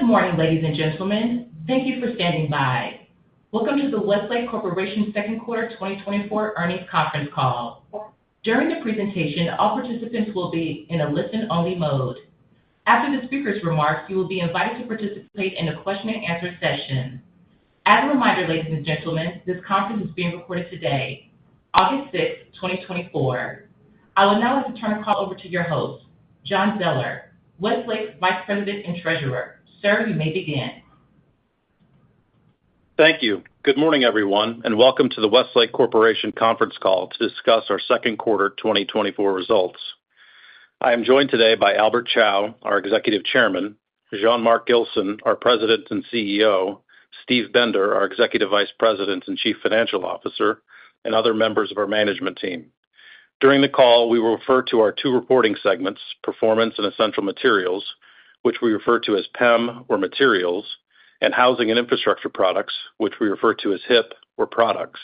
Good morning, ladies and gentlemen. Thank you for standing by. Welcome to the Westlake Corporation Second Quarter 2024 Earnings Conference Call. During the presentation, all participants will be in a listen-only mode. After the speaker's remarks, you will be invited to participate in a question-and-answer session. As a reminder, ladies and gentlemen, this conference is being recorded today, August sixth, twenty twenty-four. I would now like to turn the call over to your host, John Zoeller, Westlake's Vice President and Treasurer. Sir, you may begin. Thank you. Good morning, everyone, and welcome to the Westlake Corporation conference call to discuss our second quarter 2024 results. I am joined today by Albert Chao, our Executive Chairman, Jean-Marc Gilson, our President and CEO, Steve Bender, our Executive Vice President and Chief Financial Officer, and other members of our management team. During the call, we will refer to our two reporting segments, Performance and Essential Materials, which we refer to as PEM or Materials, and Housing and Infrastructure Products, which we refer to as HIP or Products.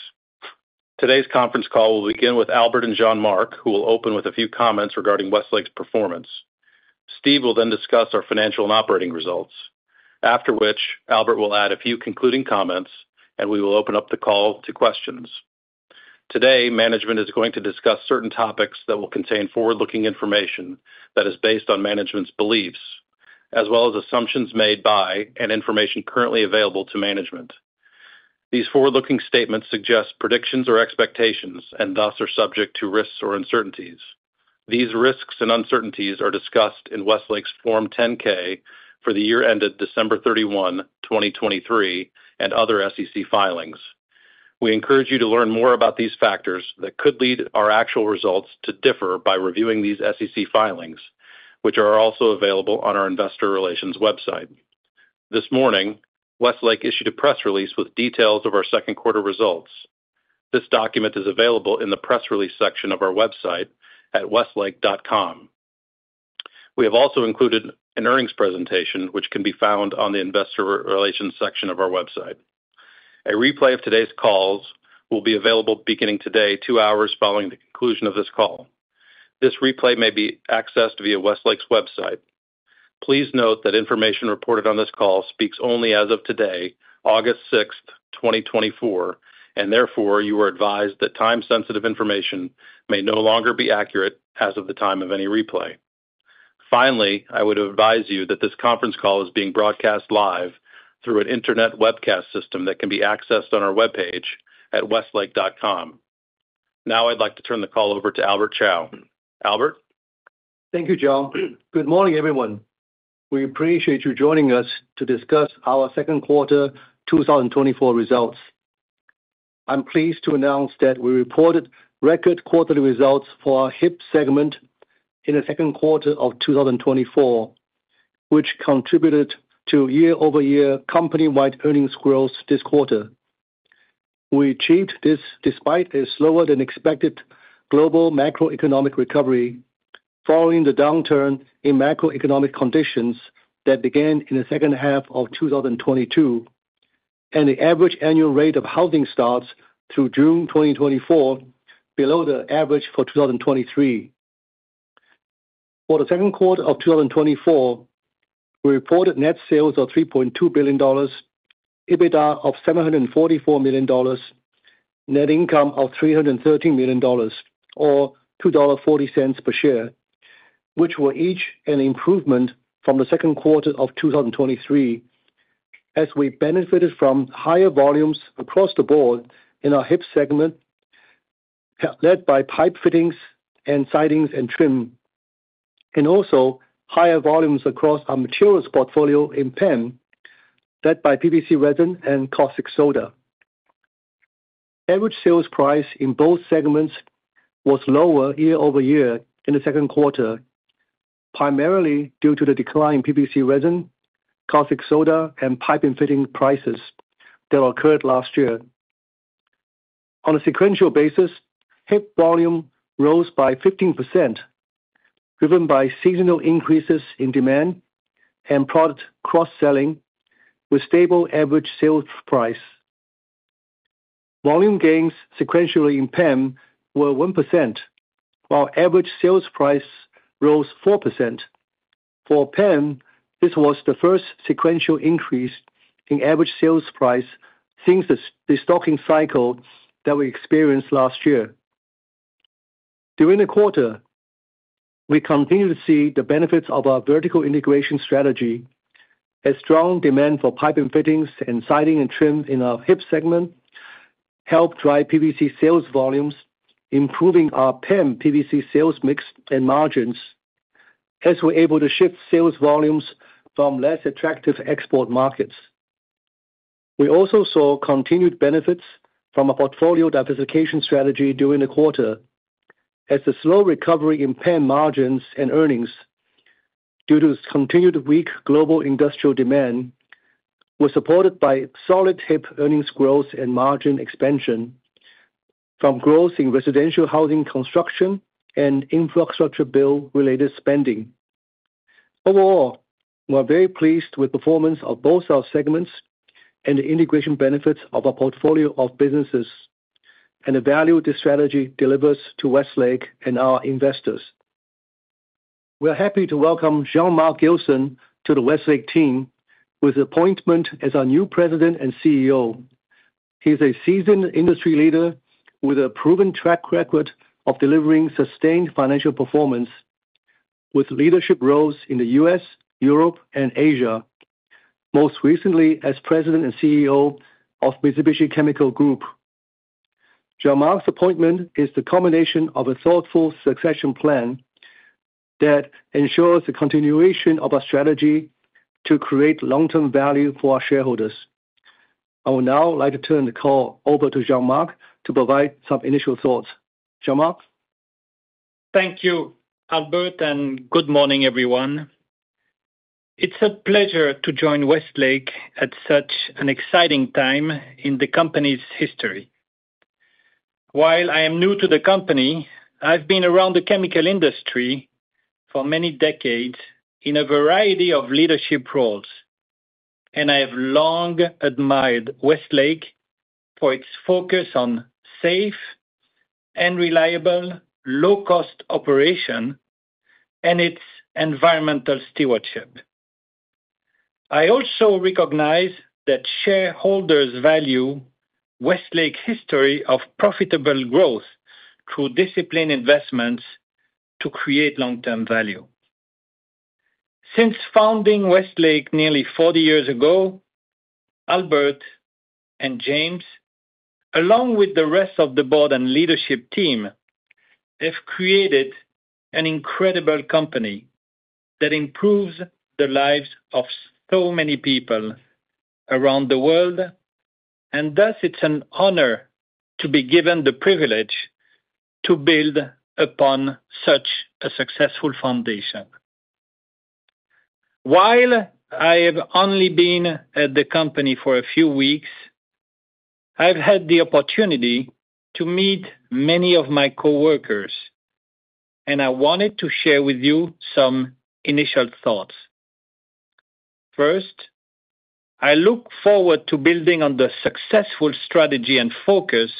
Today's conference call will begin with Albert and Jean-Marc, who will open with a few comments regarding Westlake's performance. Steve will then discuss our financial and operating results, after which Albert will add a few concluding comments, and we will open up the call to questions. Today, management is going to discuss certain topics that will contain forward-looking information that is based on management's beliefs, as well as assumptions made by and information currently available to management. These forward-looking statements suggest predictions or expectations and thus are subject to risks or uncertainties. These risks and uncertainties are discussed in Westlake's Form 10-K for the year ended December 31, 2023, and other SEC filings. We encourage you to learn more about these factors that could lead our actual results to differ by reviewing these SEC filings, which are also available on our investor relations website. This morning, Westlake issued a press release with details of our second quarter results. This document is available in the press release section of our website at westlake.com. We have also included an earnings presentation, which can be found on the investor relations section of our website. A replay of today's calls will be available beginning today, 2 hours following the conclusion of this call. This replay may be accessed via Westlake's website. Please note that information reported on this call speaks only as of today, August sixth, 2024, and therefore you are advised that time-sensitive information may no longer be accurate as of the time of any replay. Finally, I would advise you that this conference call is being broadcast live through an internet webcast system that can be accessed on our webpage at westlake.com. Now I'd like to turn the call over to Albert Chao. Albert? Thank you, John. Good morning, everyone. We appreciate you joining us to discuss our second quarter 2024 results. I'm pleased to announce that we reported record quarterly results for our HIP segment in the second quarter of 2024, which contributed to year-over-year company-wide earnings growth this quarter. We achieved this despite a slower-than-expected global macroeconomic recovery following the downturn in macroeconomic conditions that began in the second half of 2022, and the average annual rate of housing starts through June 2024, below the average for 2023. For the second quarter of 2024, we reported net sales of $3.2 billion, EBITDA of $744 million, net income of $313 million, or $2.40 per share, which were each an improvement from the second quarter of 2023, as we benefited from higher volumes across the board in our HIP segment, led by pipe and fittings and siding and trim, and also higher volumes across our materials portfolio in PEM, led by PVC resin and caustic soda. Average sales price in both segments was lower year-over-year in the second quarter, primarily due to the decline in PVC resin, caustic soda, and pipe and fitting prices that occurred last year. On a sequential basis, HIP volume rose by 15%, driven by seasonal increases in demand and product cross-selling, with stable average sales price. Volume gains sequentially in PEM were 1%, while average sales price rose 4%. For PEM, this was the first sequential increase in average sales price since the stocking cycle that we experienced last year. During the quarter, we continued to see the benefits of our vertical integration strategy as strong demand for pipe and fittings and siding and trim in our HIP segment helped drive PVC sales volumes, improving our PEM PVC sales mix and margins, as we're able to shift sales volumes from less attractive export markets. We also saw continued benefits from a portfolio diversification strategy during the quarter, as the slow recovery in PEM margins and earnings due to continued weak global industrial demand was supported by solid HIP earnings growth and margin expansion from growth in residential housing construction and infrastructure bill-related spending. Overall, we are very pleased with the performance of both our segments and the integration benefits of our portfolio of businesses... and the value this strategy delivers to Westlake and our investors. We are happy to welcome Jean-Marc Gilson to the Westlake team, with appointment as our new President and CEO. He's a seasoned industry leader with a proven track record of delivering sustained financial performance, with leadership roles in the US, Europe, and Asia, most recently as President and CEO of Mitsubishi Chemical Group. Jean-Marc's appointment is the culmination of a thoughtful succession plan that ensures the continuation of our strategy to create long-term value for our shareholders. I would now like to turn the call over to Jean-Marc to provide some initial thoughts. Jean-Marc? Thank you, Albert, and good morning, everyone. It's a pleasure to join Westlake at such an exciting time in the company's history. While I am new to the company, I've been around the chemical industry for many decades in a variety of leadership roles, and I have long admired Westlake for its focus on safe and reliable, low-cost operation and its environmental stewardship. I also recognize that shareholders value Westlake's history of profitable growth through disciplined investments to create long-term value. Since founding Westlake nearly forty years ago, Albert and James, along with the rest of the board and leadership team, have created an incredible company that improves the lives of so many people around the world, and thus, it's an honor to be given the privilege to build upon such a successful foundation. While I have only been at the company for a few weeks, I've had the opportunity to meet many of my coworkers, and I wanted to share with you some initial thoughts. First, I look forward to building on the successful strategy and focus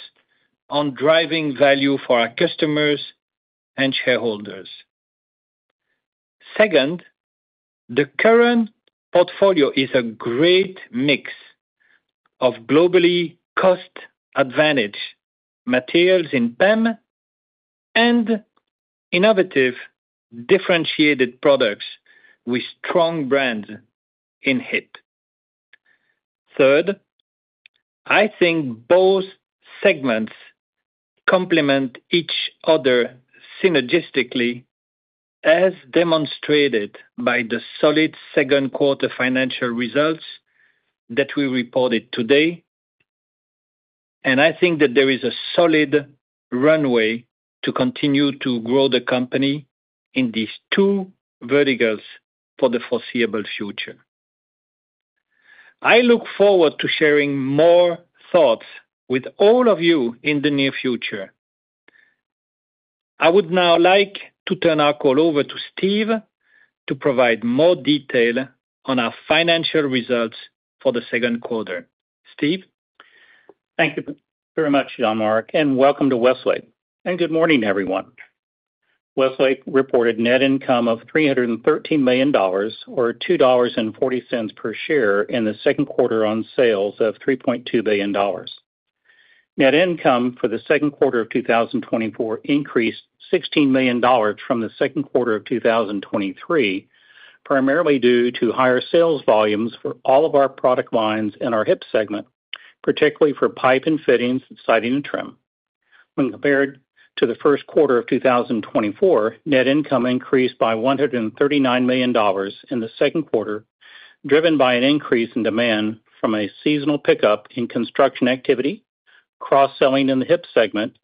on driving value for our customers and shareholders. Second, the current portfolio is a great mix of globally cost-advantage materials in PEM and innovative, differentiated products with strong brands in HIP. Third, I think both segments complement each other synergistically, as demonstrated by the solid second quarter financial results that we reported today. I think that there is a solid runway to continue to grow the company in these two verticals for the foreseeable future. I look forward to sharing more thoughts with all of you in the near future. I would now like to turn our call over to Steve to provide more detail on our financial results for the second quarter. Steve? Thank you very much, Jean-Marc, and welcome to Westlake. And good morning, everyone. Westlake reported net income of $313 million, or $2.40 per share in the second quarter on sales of $3.2 billion. Net income for the second quarter of 2024 increased $16 million from the second quarter of 2023, primarily due to higher sales volumes for all of our product lines in our HIP segment, particularly for pipe and fittings, siding and trim. When compared to the first quarter of 2024, net income increased by $139 million in the second quarter, driven by an increase in demand from a seasonal pickup in construction activity, cross-selling in the HIP segment,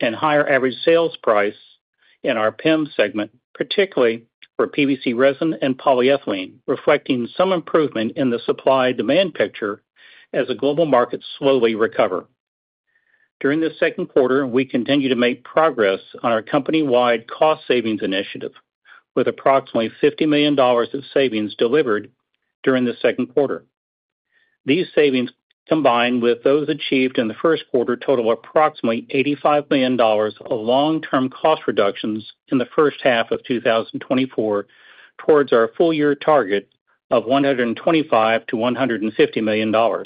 and higher average sales price in our PEM segment, particularly for PVC resin and polyethylene, reflecting some improvement in the supply-demand picture as the global markets slowly recover. During this second quarter, we continued to make progress on our company-wide cost savings initiative, with approximately $50 million of savings delivered during the second quarter. These savings, combined with those achieved in the first quarter, total approximately $85 million of long-term cost reductions in the first half of 2024, towards our full year target of $125 million-$150 million.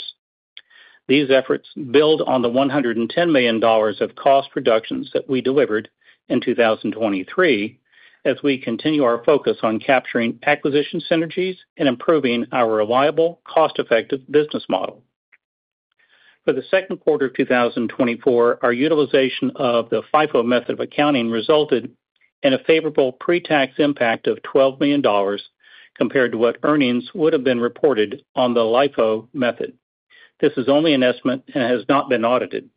These efforts build on the $110 million of cost reductions that we delivered in 2023, as we continue our focus on capturing acquisition synergies and improving our reliable, cost-effective business model. For the second quarter of 2024, our utilization of the FIFO method of accounting resulted in a favorable pre-tax impact of $12 million, compared to what earnings would have been reported on the LIFO method. This is only an estimate and has not been audited.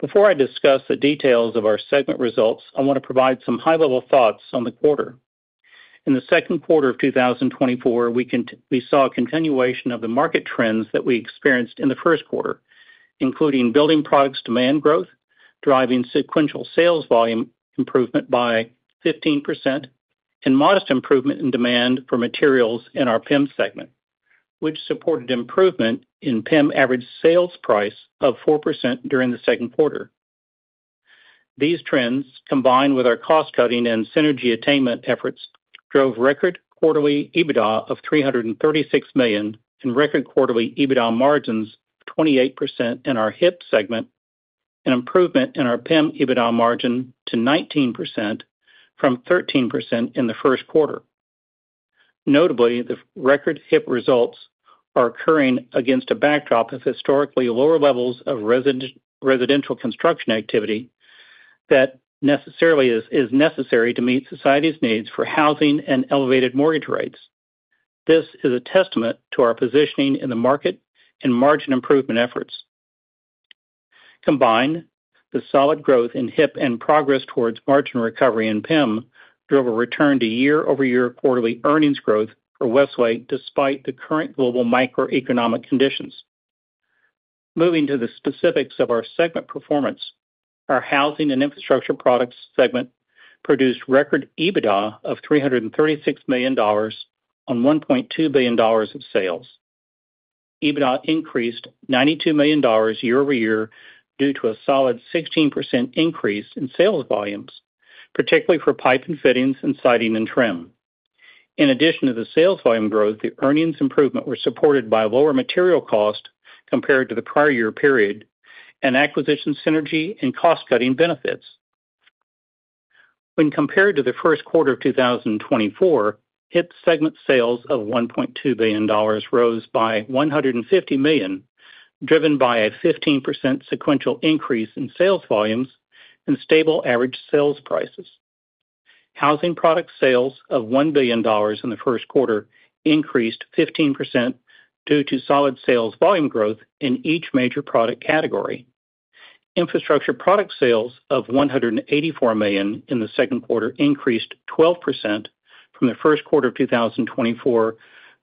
Before I discuss the details of our segment results, I wanna provide some high-level thoughts on the quarter. In the second quarter of 2024, we saw a continuation of the market trends that we experienced in the first quarter, including building products demand growth, driving sequential sales volume improvement by 15%, and modest improvement in demand for materials in our PEM segment... which supported improvement in PEM average sales price of 4% during the second quarter. These trends, combined with our cost-cutting and synergy attainment efforts, drove record quarterly EBITDA of $336 million, and record quarterly EBITDA margins of 28% in our HIP segment, an improvement in our PEM EBITDA margin to 19% from 13% in the first quarter. Notably, the record HIP results are occurring against a backdrop of historically lower levels of residential construction activity that necessarily is necessary to meet society's needs for housing and elevated mortgage rates. This is a testament to our positioning in the market and margin improvement efforts. Combined, the solid growth in HIP and progress towards margin recovery in PIM drove a return to year-over-year quarterly earnings growth for Westlake, despite the current global macroeconomic conditions. Moving to the specifics of our segment performance, our housing and infrastructure products segment produced record EBITDA of $336 million on $1.2 billion of sales. EBITDA increased $92 million year-over-year due to a solid 16% increase in sales volumes, particularly for pipe and fittings and siding and trim. In addition to the sales volume growth, the earnings improvement were supported by lower material cost compared to the prior year period and acquisition synergy and cost-cutting benefits. When compared to the first quarter of 2024, HIP segment sales of $1.2 billion rose by $150 million, driven by a 15% sequential increase in sales volumes and stable average sales prices. Housing product sales of $1 billion in the first quarter increased 15% due to solid sales volume growth in each major product category. Infrastructure product sales of $184 million in the second quarter increased 12% from the first quarter of 2024,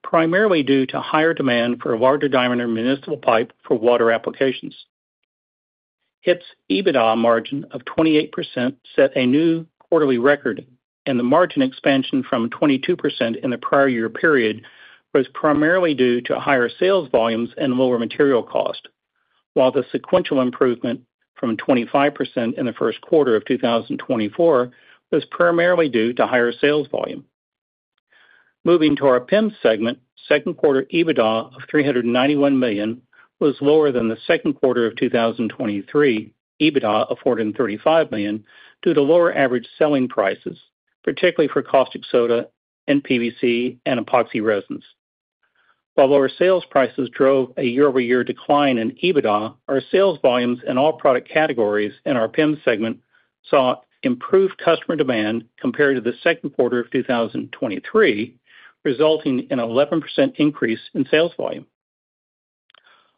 primarily due to higher demand for larger diameter municipal pipe for water applications. HIP's EBITDA margin of 28% set a new quarterly record, and the margin expansion from 22% in the prior year period was primarily due to higher sales volumes and lower material cost, while the sequential improvement from 25% in the first quarter of 2024 was primarily due to higher sales volume. Moving to our PIM segment, second quarter EBITDA of $391 million was lower than the second quarter of 2023 EBITDA of $435 million, due to lower average selling prices, particularly for caustic soda and PVC and epoxy resins. While lower sales prices drove a year-over-year decline in EBITDA, our sales volumes in all product categories in our PIM segment saw improved customer demand compared to the second quarter of 2023, resulting in an 11% increase in sales volume.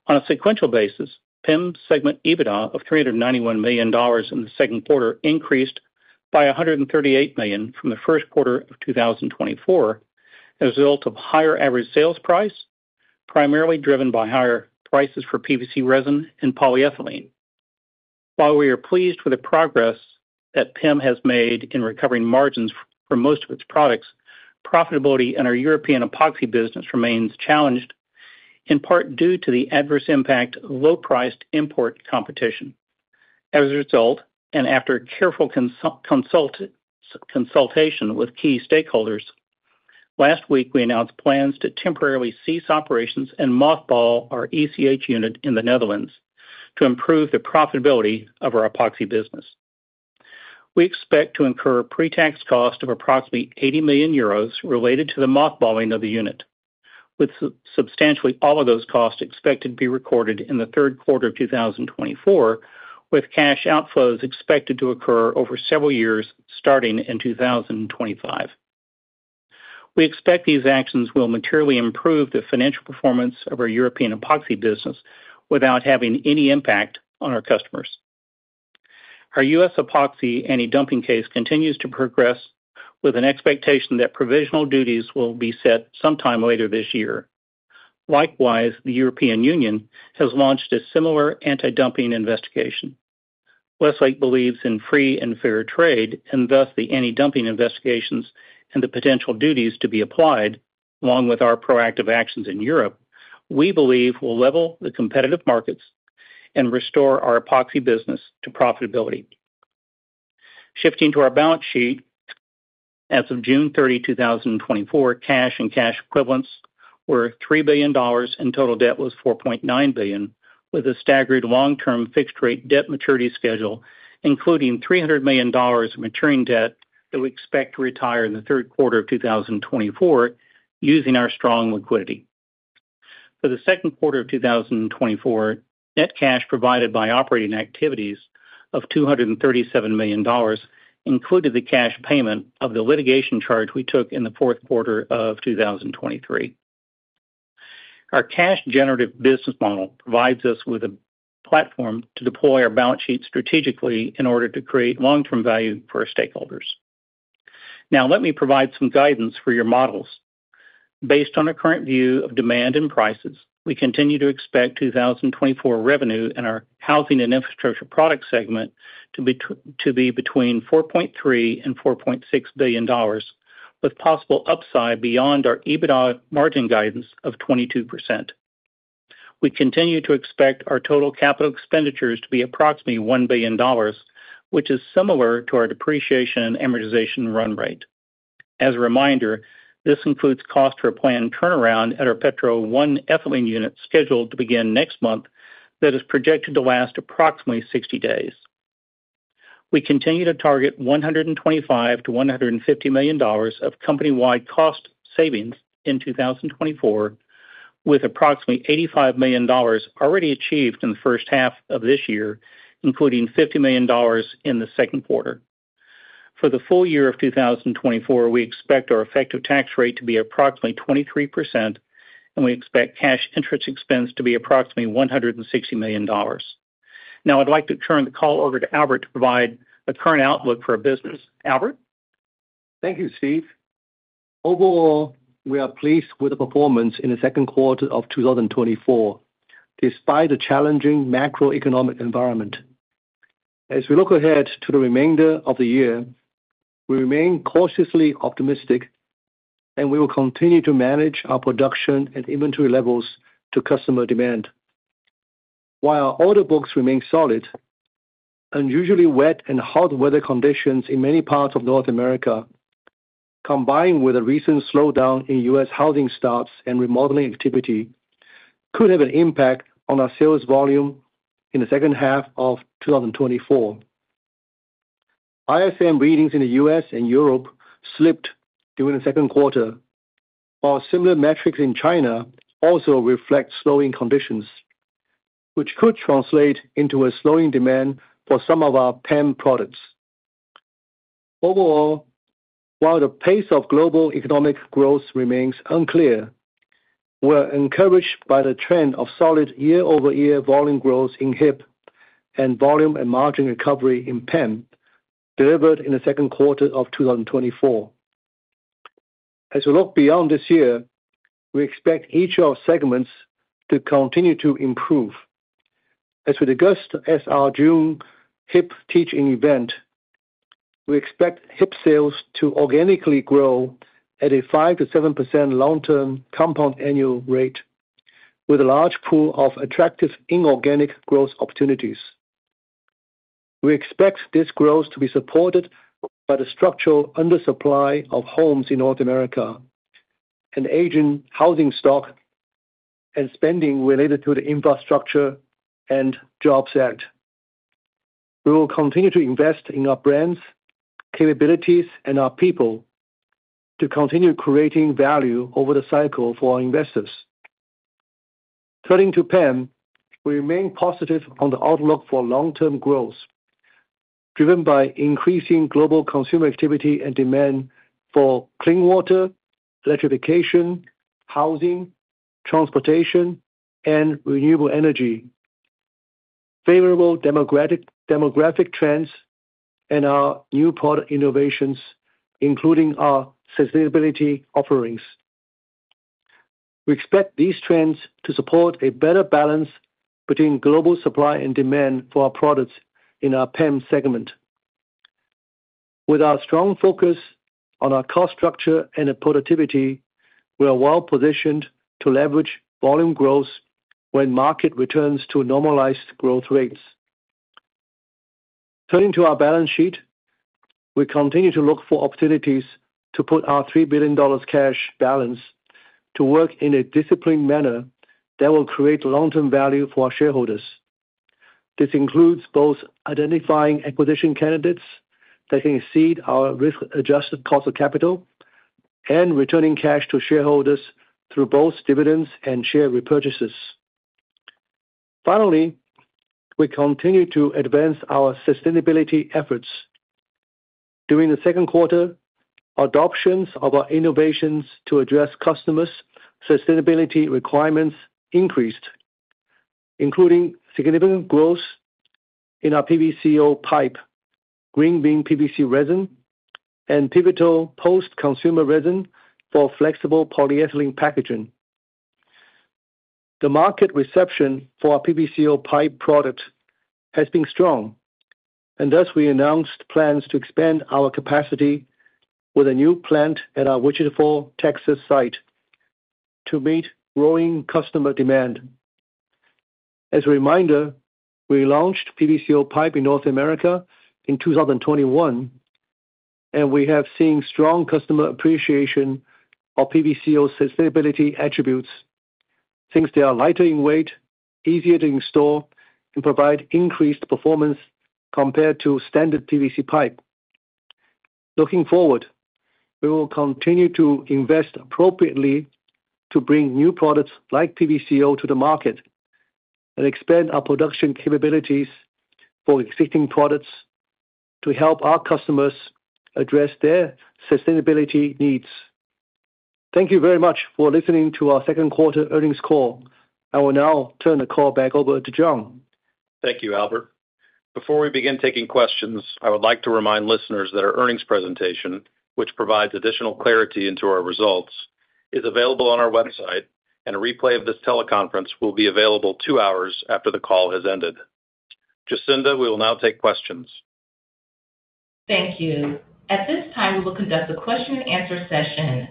On a sequential basis, PEM segment EBITDA of $391 million in the second quarter increased by $138 million from the first quarter of 2024, as a result of higher average sales price, primarily driven by higher prices for PVC resin and polyethylene. While we are pleased with the progress that PEM has made in recovering margins for most of its products, profitability in our European epoxy business remains challenged, in part due to the adverse impact of low-priced import competition. As a result, and after careful consultation with key stakeholders, last week, we announced plans to temporarily cease operations and mothball our ECH unit in the Netherlands to improve the profitability of our epoxy business. We expect to incur a pre-tax cost of approximately 80 million euros related to the mothballing of the unit, with substantially all of those costs expected to be recorded in the third quarter of 2024, with cash outflows expected to occur over several years, starting in 2025. We expect these actions will materially improve the financial performance of our European Epoxy business without having any impact on our customers. Our U.S. Epoxy anti-dumping case continues to progress with an expectation that provisional duties will be set sometime later this year. Likewise, the European Union has launched a similar anti-dumping investigation. Westlake believes in free and fair trade, and thus the anti-dumping investigations and the potential duties to be applied, along with our proactive actions in Europe, we believe will level the competitive markets and restore our Epoxy business to profitability. Shifting to our balance sheet, as of June 30, 2024, cash and cash equivalents were $3 billion, and total debt was $4.9 billion, with a staggered long-term fixed rate debt maturity schedule, including $300 million of maturing debt that we expect to retire in the third quarter of 2024, using our strong liquidity. For the second quarter of 2024, net cash provided by operating activities of $237 million included the cash payment of the litigation charge we took in the fourth quarter of 2023. Our cash generative business model provides us with a platform to deploy our balance sheet strategically in order to create long-term value for our stakeholders. Now, let me provide some guidance for your models. Based on the current view of demand and prices, we continue to expect 2024 revenue in our housing and infrastructure product segment to be between $4.3 billion-$4.6 billion, with possible upside beyond our EBITDA margin guidance of 22%.... We continue to expect our total capital expenditures to be approximately $1 billion, which is similar to our depreciation and amortization run rate. As a reminder, this includes cost for a planned turnaround at our Petro 1 ethylene unit, scheduled to begin next month, that is projected to last approximately 60 days. We continue to expect $125 million-$150 million of company-wide cost savings in 2024, with approximately $85 million already achieved in the first half of this year, including $50 million in the second quarter. For the full year of 2024, we expect our effective tax rate to be approximately 23%, and we expect cash interest expense to be approximately $160 million. Now, I'd like to turn the call over to Albert to provide the current outlook for our business. Albert? Thank you, Steve. Overall, we are pleased with the performance in the second quarter of 2024, despite the challenging macroeconomic environment. As we look ahead to the remainder of the year, we remain cautiously optimistic, and we will continue to manage our production and inventory levels to customer demand. While our order books remain solid, unusually wet and hot weather conditions in many parts of North America, combined with a recent slowdown in U.S. housing starts and remodeling activity, could have an impact on our sales volume in the second half of 2024. ISM readings in the U.S. and Europe slipped during the second quarter, while similar metrics in China also reflect slowing conditions, which could translate into a slowing demand for some of our PEM products. Overall, while the pace of global economic growth remains unclear, we're encouraged by the trend of solid year-over-year volume growth in HIP, and volume and margin recovery in PEM, delivered in the second quarter of 2024. As we look beyond this year, we expect each of our segments to continue to improve. As we discussed at our June HIP teaching event, we expect HIP sales to organically grow at a 5%-7% long-term compound annual rate, with a large pool of attractive inorganic growth opportunities. We expect this growth to be supported by the structural undersupply of homes in North America, and aging housing stock and spending related to the Infrastructure and Jobs Act. We will continue to invest in our brands, capabilities, and our people to continue creating value over the cycle for our investors. Turning to PEM, we remain positive on the outlook for long-term growth, driven by increasing global consumer activity and demand for clean water, electrification, housing, transportation, and renewable energy, favorable demographic trends, and our new product innovations, including our sustainability offerings. We expect these trends to support a better balance between global supply and demand for our products in our PEM segment. With our strong focus on our cost structure and productivity, we are well positioned to leverage volume growth when market returns to normalized growth rates. Turning to our balance sheet, we continue to look for opportunities to put our $3 billion cash balance to work in a disciplined manner that will create long-term value for our shareholders. This includes both identifying acquisition candidates that can exceed our risk-adjusted cost of capital and returning cash to shareholders through both dividends and share repurchases. Finally, we continue to advance our sustainability efforts. During the second quarter, adoptions of our innovations to address customers' sustainability requirements increased, including significant growth in our PVCO pipe, GreenVin PVC resin, and Pivotal post-consumer resin for flexible polyethylene packaging. The market reception for our PVCO pipe product has been strong, and thus we announced plans to expand our capacity with a new plant at our Wichita Falls, Texas, site to meet growing customer demand. As a reminder, we launched PVCO pipe in North America in 2021, and we have seen strong customer appreciation of PVCO's sustainability attributes since they are lighter in weight, easier to install, and provide increased performance compared to standard PVC pipe. Looking forward, we will continue to invest appropriately to bring new products like PVCO to the market and expand our production capabilities for existing products to help our customers address their sustainability needs. Thank you very much for listening to our second quarter earnings call. I will now turn the call back over to John. Thank you, Albert. Before we begin taking questions, I would like to remind listeners that our earnings presentation, which provides additional clarity into our results, is available on our website, and a replay of this teleconference will be available two hours after the call has ended. Jacinda, we will now take questions.... Thank you. At this time, we will conduct a question and answer session.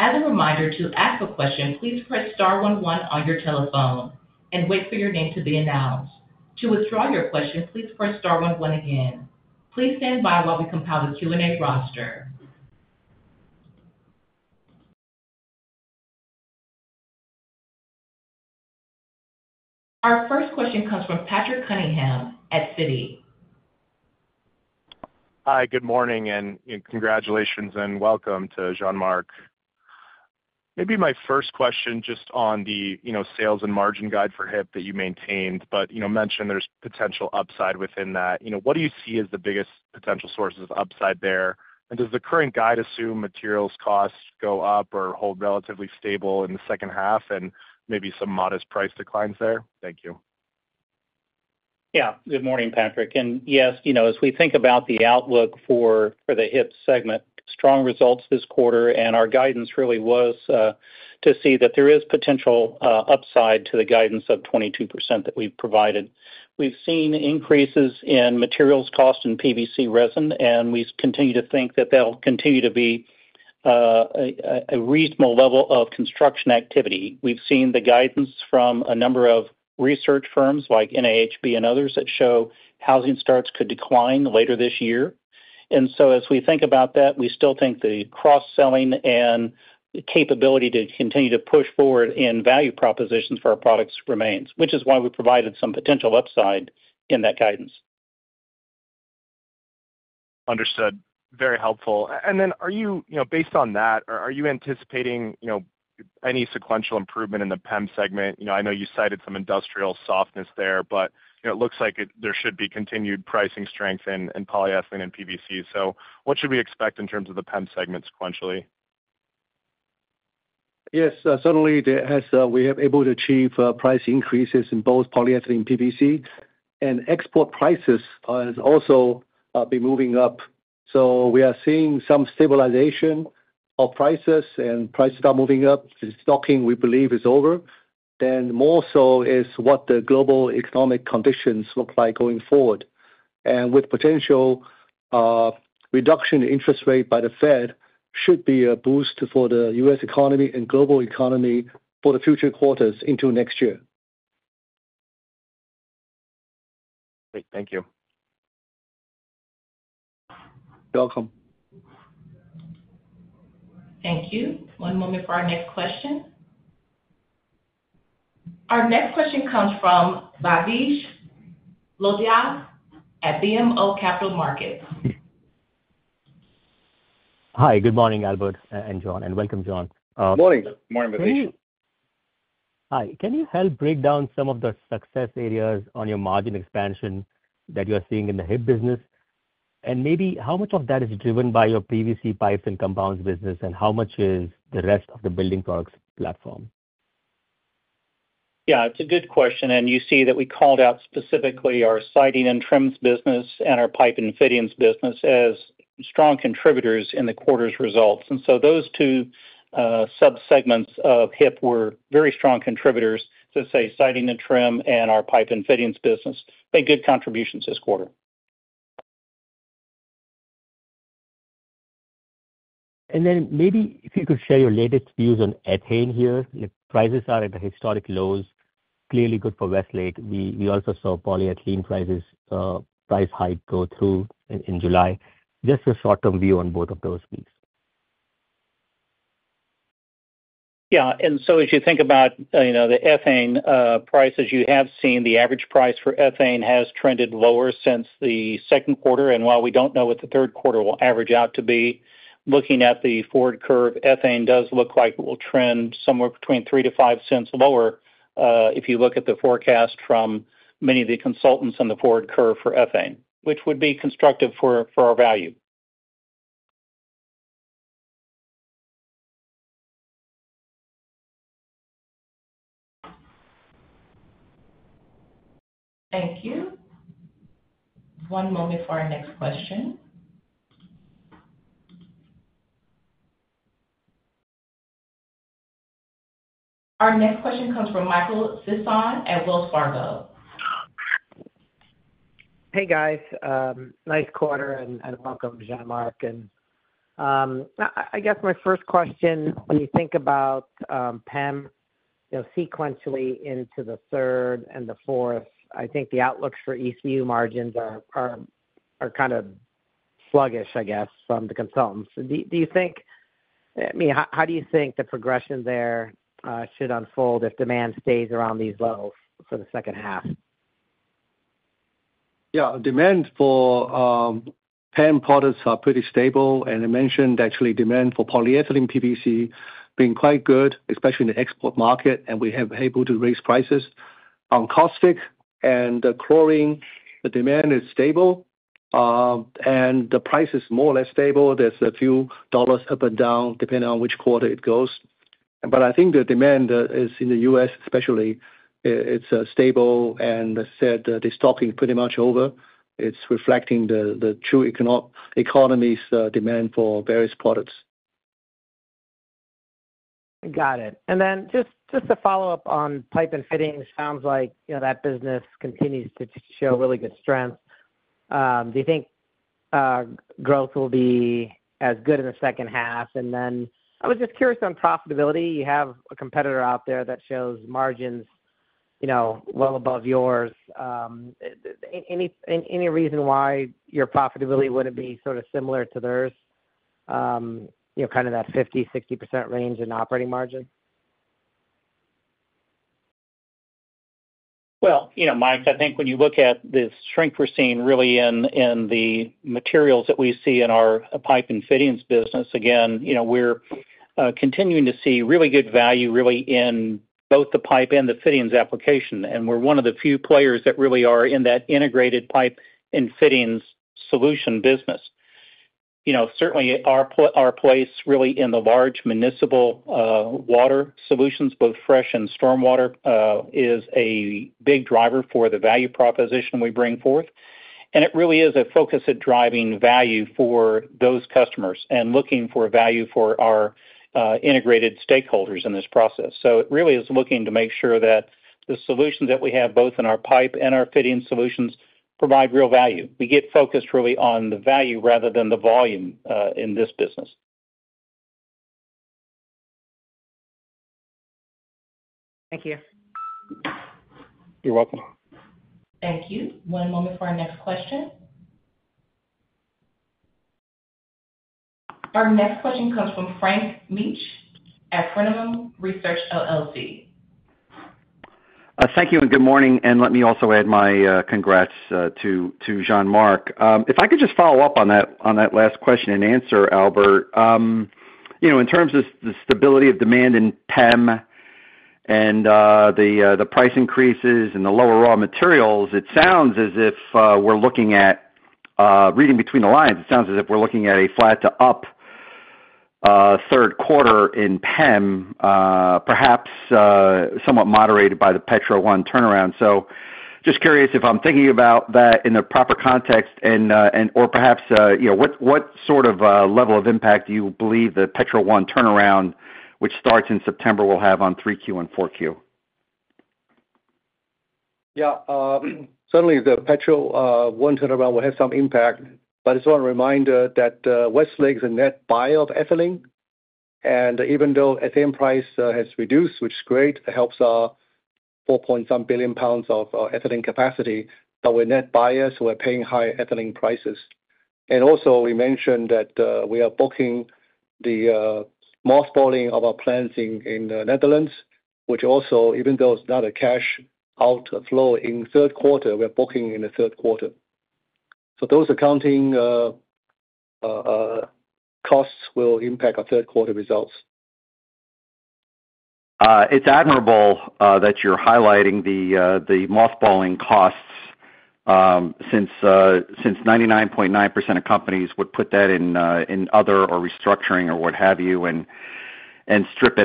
As a reminder, to ask a question, please press star one one on your telephone and wait for your name to be announced. To withdraw your question, please press star one one again. Please stand by while we compile the Q&A roster. Our first question comes from Patrick Cunningham at Citi. Hi, good morning, and congratulations and welcome to Jean-Marc. Maybe my first question, just on the, you know, sales and margin guide for HIP that you maintained, but, you know, mentioned there's potential upside within that. You know, what do you see as the biggest potential sources of upside there? And does the current guide assume materials costs go up or hold relatively stable in the second half and maybe some modest price declines there? Thank you. Yeah. Good morning, Patrick. And yes, you know, as we think about the outlook for the HIP segment, strong results this quarter, and our guidance really was to see that there is potential upside to the guidance of 22% that we've provided. We've seen increases in materials cost and PVC resin, and we continue to think that they'll continue to be a reasonable level of construction activity. We've seen the guidance from a number of research firms, like NAHB and others, that show housing starts could decline later this year. And so as we think about that, we still think the cross-selling and the capability to continue to push forward in value propositions for our products remains, which is why we provided some potential upside in that guidance. Understood. Very helpful. And then are you... You know, based on that, are you anticipating, you know, any sequential improvement in the PEM segment? You know, I know you cited some industrial softness there, but, you know, it looks like it, there should be continued pricing strength in, in polyethylene and PVC. So what should we expect in terms of the PEM segment sequentially? Yes, certainly there has, we are able to achieve, price increases in both polyethylene and PVC. And export prices, has also, been moving up. So we are seeing some stabilization of prices and prices start moving up. The stocking, we believe, is over, and more so is what the global economic conditions look like going forward. And with potential, reduction in interest rate by the Fed, should be a boost for the U.S. economy and global economy for the future quarters into next year. Great. Thank you. Welcome. Thank you. One moment for our next question. Our next question comes from Rajeev Lodhia at BMO Capital Markets. Hi, good morning, Albert and John, and welcome, John. Good morning. Morning, Rajeev. Hi, can you help break down some of the success areas on your margin expansion that you are seeing in the HIP business? And maybe how much of that is driven by your PVC pipes and compounds business, and how much is the rest of the building products platform? Yeah, it's a good question, and you see that we called out specifically our siding and trim business and our pipe and fittings business as strong contributors in the quarter's results. And so those two subsegments of HIP were very strong contributors, let's say, siding and trim and our pipe and fittings business. Made good contributions this quarter. And then maybe if you could share your latest views on ethane here. Prices are at historic lows, clearly good for Westlake. We also saw polyethylene prices, price hike go through in July. Just a short-term view on both of those, please. Yeah, and so as you think about, you know, the ethane prices, you have seen the average price for ethane has trended lower since the second quarter. While we don't know what the third quarter will average out to be, looking at the forward curve, ethane does look like it will trend somewhere between $0.03-$0.05 lower, if you look at the forecast from many of the consultants on the forward curve for ethane, which would be constructive for our value. Thank you. One moment for our next question. Our next question comes from Michael Sison at Wells Fargo. Hey, guys. Nice quarter, and welcome, Jean-Marc. I guess my first question, when you think about PEM, you know, sequentially into the third and the fourth, I think the outlooks for ECU margins are kind of sluggish, I guess, from the consultants. Do you think... I mean, how do you think the progression there should unfold if demand stays around these levels for the second half? Yeah. Demand for PEM products are pretty stable, and I mentioned actually demand for polyethylene PVC being quite good, especially in the export market, and we have able to raise prices. On caustic and chlorine, the demand is stable, and the price is more or less stable. There's a few dollars up and down, depending on which quarter it goes. But I think the demand is in the U.S. especially, it's stable, and I said the stocking pretty much over. It's reflecting the true economy's demand for various products.... Got it. And then just to follow up on pipe and fittings, sounds like, you know, that business continues to show really good strength. Do you think growth will be as good in the second half? And then I was just curious on profitability. You have a competitor out there that shows margins, you know, well above yours. Any reason why your profitability wouldn't be sort of similar to theirs, you know, kind of that 50%-60% range in operating margin? Well, you know, Mike, I think when you look at the strength we're seeing really in, in the materials that we see in our pipe and fittings business, again, you know, we're continuing to see really good value really in both the pipe and the fittings application. And we're one of the few players that really are in that integrated pipe and fittings solution business. You know, certainly our place really in the large municipal water solutions, both fresh and stormwater, is a big driver for the value proposition we bring forth. And it really is a focus at driving value for those customers and looking for value for our integrated stakeholders in this process. So it really is looking to make sure that the solutions that we have, both in our pipe and our fittings solutions, provide real value. We get focused really on the value rather than the volume, in this business. Thank you. You're welcome. Thank you. One moment for our next question. Our next question comes from Frank Mitsch at Fermium Research. Thank you, and good morning, and let me also add my congrats to Jean-Marc. If I could just follow up on that last question and answer, Albert. You know, in terms of the stability of demand in PEM and the price increases and the lower raw materials, it sounds as if we're looking at... Reading between the lines, it sounds as if we're looking at a flat to up third quarter in PEM, perhaps somewhat moderated by the Petro 1 turnaround. So just curious if I'm thinking about that in the proper context and or perhaps you know what sort of level of impact do you believe the Petro 1 turnaround, which starts in September, will have on three Q and four Q? Yeah, certainly the Petro 1 turnaround will have some impact, but I just want to remind that Westlake is a net buyer of ethylene. And even though ethylene price has reduced, which is great, it helps our 4 point some billion pounds of ethylene capacity, but we're net buyers, we're paying high ethylene prices. And also, we mentioned that we are booking the mothballing of our plants in the Netherlands, which also, even though it's not a cash outflow in the third quarter, we're booking in the third quarter. So those accounting costs will impact our third quarter results. It's admirable that you're highlighting the mothballing costs, since 99.9% of companies would put that in other or restructuring or what have you, and, and Albert,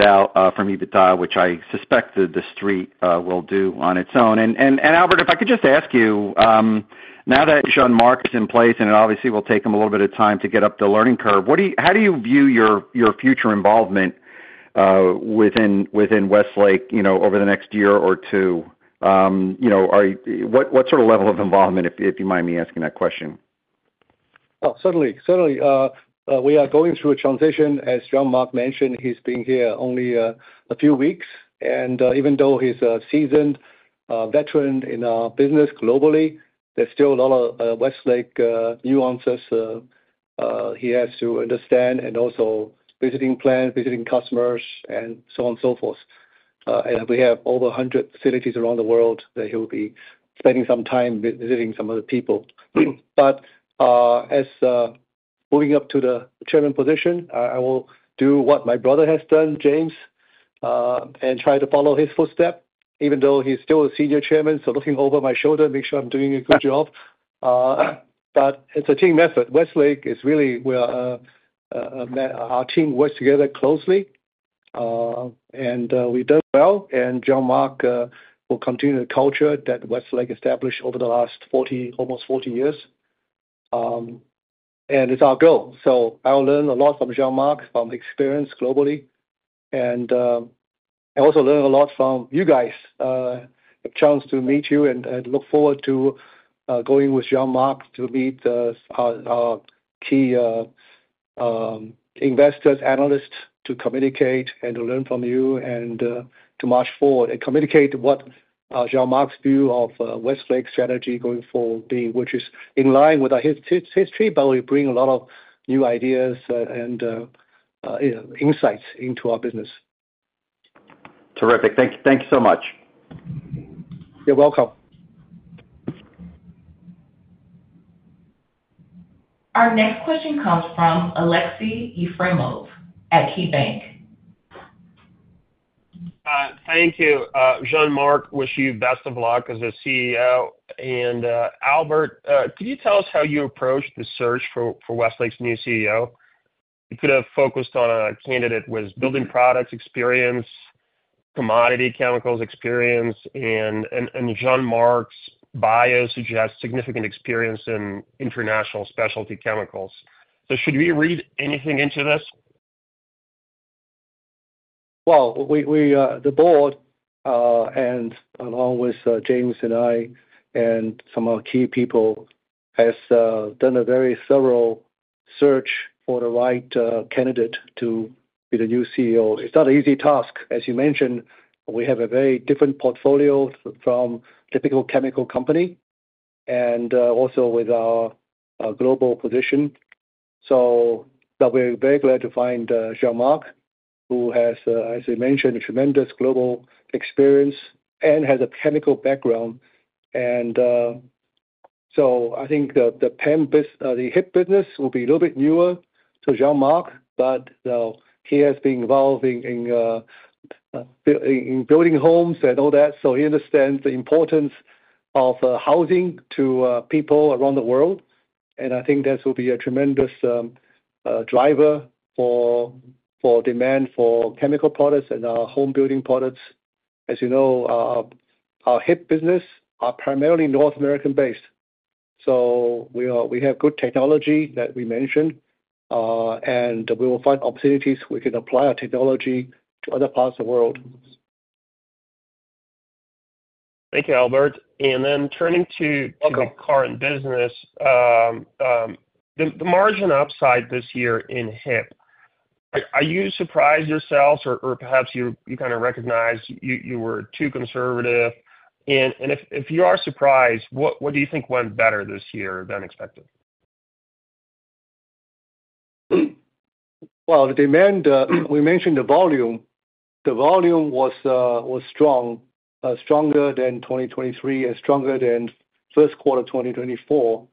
if I could just ask you, now that Jean-Marc is in place, and obviously it will take him a little bit of time to get up the learning curve, what do you- how do you view your future involvement within Westlake, you know, over the next year or two? You know, are- what sort of level of involvement, if you mind me asking that question? Oh, certainly. Certainly, we are going through a transition. As Jean-Marc mentioned, he's been here only a few weeks, and even though he's a seasoned veteran in our business globally, there's still a lot of Westlake nuances he has to understand, and also visiting plans, visiting customers, and so on and so forth. And we have over 100 facilities around the world that he'll be spending some time visiting some of the people. But as moving up to the chairman position, I will do what my brother has done, James, and try to follow his footstep, even though he's still a senior chairman, so looking over my shoulder, make sure I'm doing a good job. But it's a team effort. Westlake is really where met... Our team works together closely, and we've done well. Jean-Marc will continue the culture that Westlake established over the last 40, almost 40 years. And it's our goal. So I will learn a lot from Jean-Marc, from experience globally, and I also learn a lot from you guys. A chance to meet you and look forward to going with Jean-Marc to meet our key investors, analysts, to communicate and to learn from you, and to march forward and communicate what Jean-Marc's view of Westlake's strategy going forward be, which is in line with our history, but we bring a lot of new ideas, and insights into our business. Terrific. Thank you, thank you so much. You're welcome. Our next question comes from Alexei Efremov at KeyBanc. Thank you. Jean-Marc, wish you best of luck as the CEO. Albert, could you tell us how you approached the search for Westlake's new CEO? You could have focused on a candidate with building products experience- ... commodity chemicals experience, and Jean-Marc's bio suggests significant experience in international specialty chemicals. So should we read anything into this? Well, we, the board, and along with James and I, and some of our key people, has done a very thorough search for the right candidate to be the new CEO. It's not an easy task. As you mentioned, we have a very different portfolio from typical chemical company and also with our global position. So but we're very glad to find Jean-Marc, who has, as you mentioned, a tremendous global experience and has a chemical background. And so I think the hip business will be a little bit newer to Jean-Marc, but he has been involved in building homes and all that, so he understands the importance of housing to people around the world. I think this will be a tremendous driver for demand for chemical products and home building products. As you know, our HIP business are primarily North American based, so we have good technology that we mentioned, and we will find opportunities we can apply our technology to other parts of the world. Thank you, Albert. And then turning to- Okay. -your current business, the margin upside this year in HIP, are you surprised yourselves or perhaps you kind of recognize you were too conservative? And if you are surprised, what do you think went better this year than expected? Well, the demand, we mentioned the volume. The volume was strong, stronger than 2023 and stronger than first quarter 2024.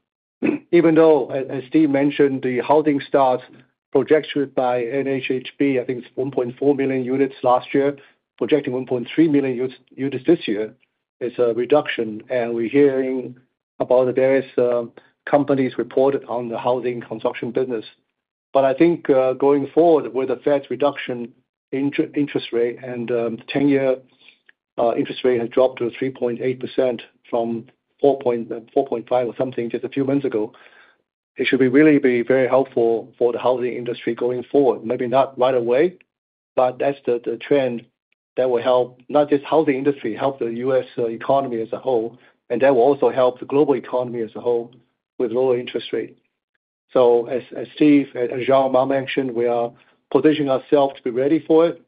Even though, as Steve mentioned, the housing starts projected by NAHB, I think it's 1.4 billion units last year, projecting 1.3 million U.S. units this year, is a reduction. And we're hearing about the various companies reported on the housing construction business. But I think, going forward with the Fed's reduction in interest rate and, the 10-year interest rate has dropped to 3.8% from 4.5 or something just a few months ago, it should really be very helpful for the housing industry going forward. Maybe not right away, but that's the trend that will help, not just housing industry, help the U.S. economy as a whole, and that will also help the global economy as a whole, with lower interest rate. So as Steve, as Jean-Marc mentioned, we are positioning ourselves to be ready for it,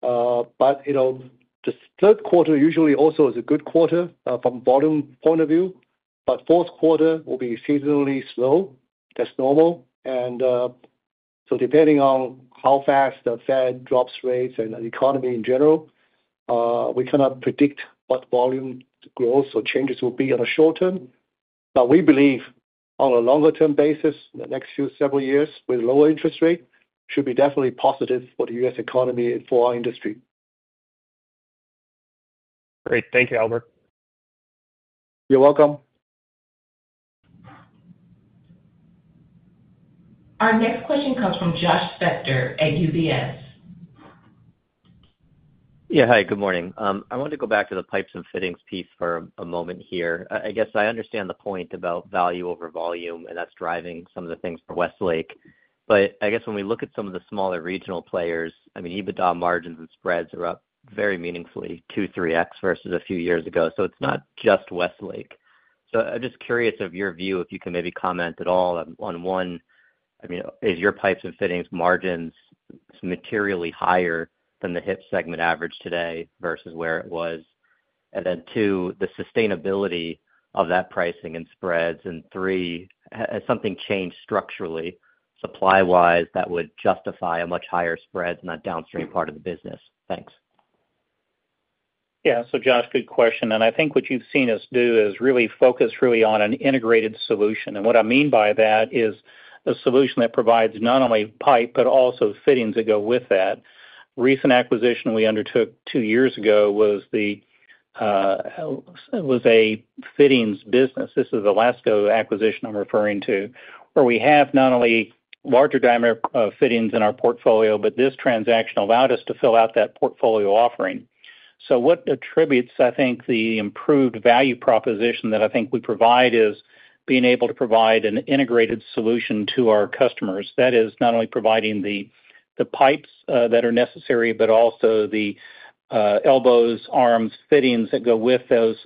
but, you know, the third quarter usually also is a good quarter from bottom point of view, but fourth quarter will be seasonally slow. That's normal. And so depending on how fast the Fed drops rates and the economy in general, we cannot predict what volume growth or changes will be in the short ton. But we believe on a longer term basis, the next few several years, with lower interest rate, should be definitely positive for the U.S. economy and for our industry. Great. Thank you, Albert. You're welcome. Our next question comes from Josh Spector at UBS. Yeah. Hi, good morning. I wanted to go back to the pipes and fittings piece for a moment here. I, I guess I understand the point about value over volume, and that's driving some of the things for Westlake. But I guess when we look at some of the smaller regional players, I mean, EBITDA margins and spreads are up very meaningfully, 2-3x versus a few years ago, so it's not just Westlake. So I'm just curious of your view, if you can maybe comment at all on, on one, I mean, is your pipes and fittings margins materially higher than the hip segment average today versus where it was? And then, two, the sustainability of that pricing and spreads, and three, has something changed structurally, supply-wise, that would justify a much higher spread in that downstream part of the business? Thanks. Yeah. So Josh, good question, and I think what you've seen us do is really focus really on an integrated solution. And what I mean by that is a solution that provides not only pipe, but also fittings that go with that. Recent acquisition we undertook two years ago was the, it was a fittings business. This is the LASCO acquisition I'm referring to, where we have not only larger diameter of fittings in our portfolio, but this transaction allowed us to fill out that portfolio offering. So what attributes, I think, the improved value proposition that I think we provide, is being able to provide an integrated solution to our customers. That is, not only providing the, the pipes that are necessary, but also the elbows, arms, fittings that go with those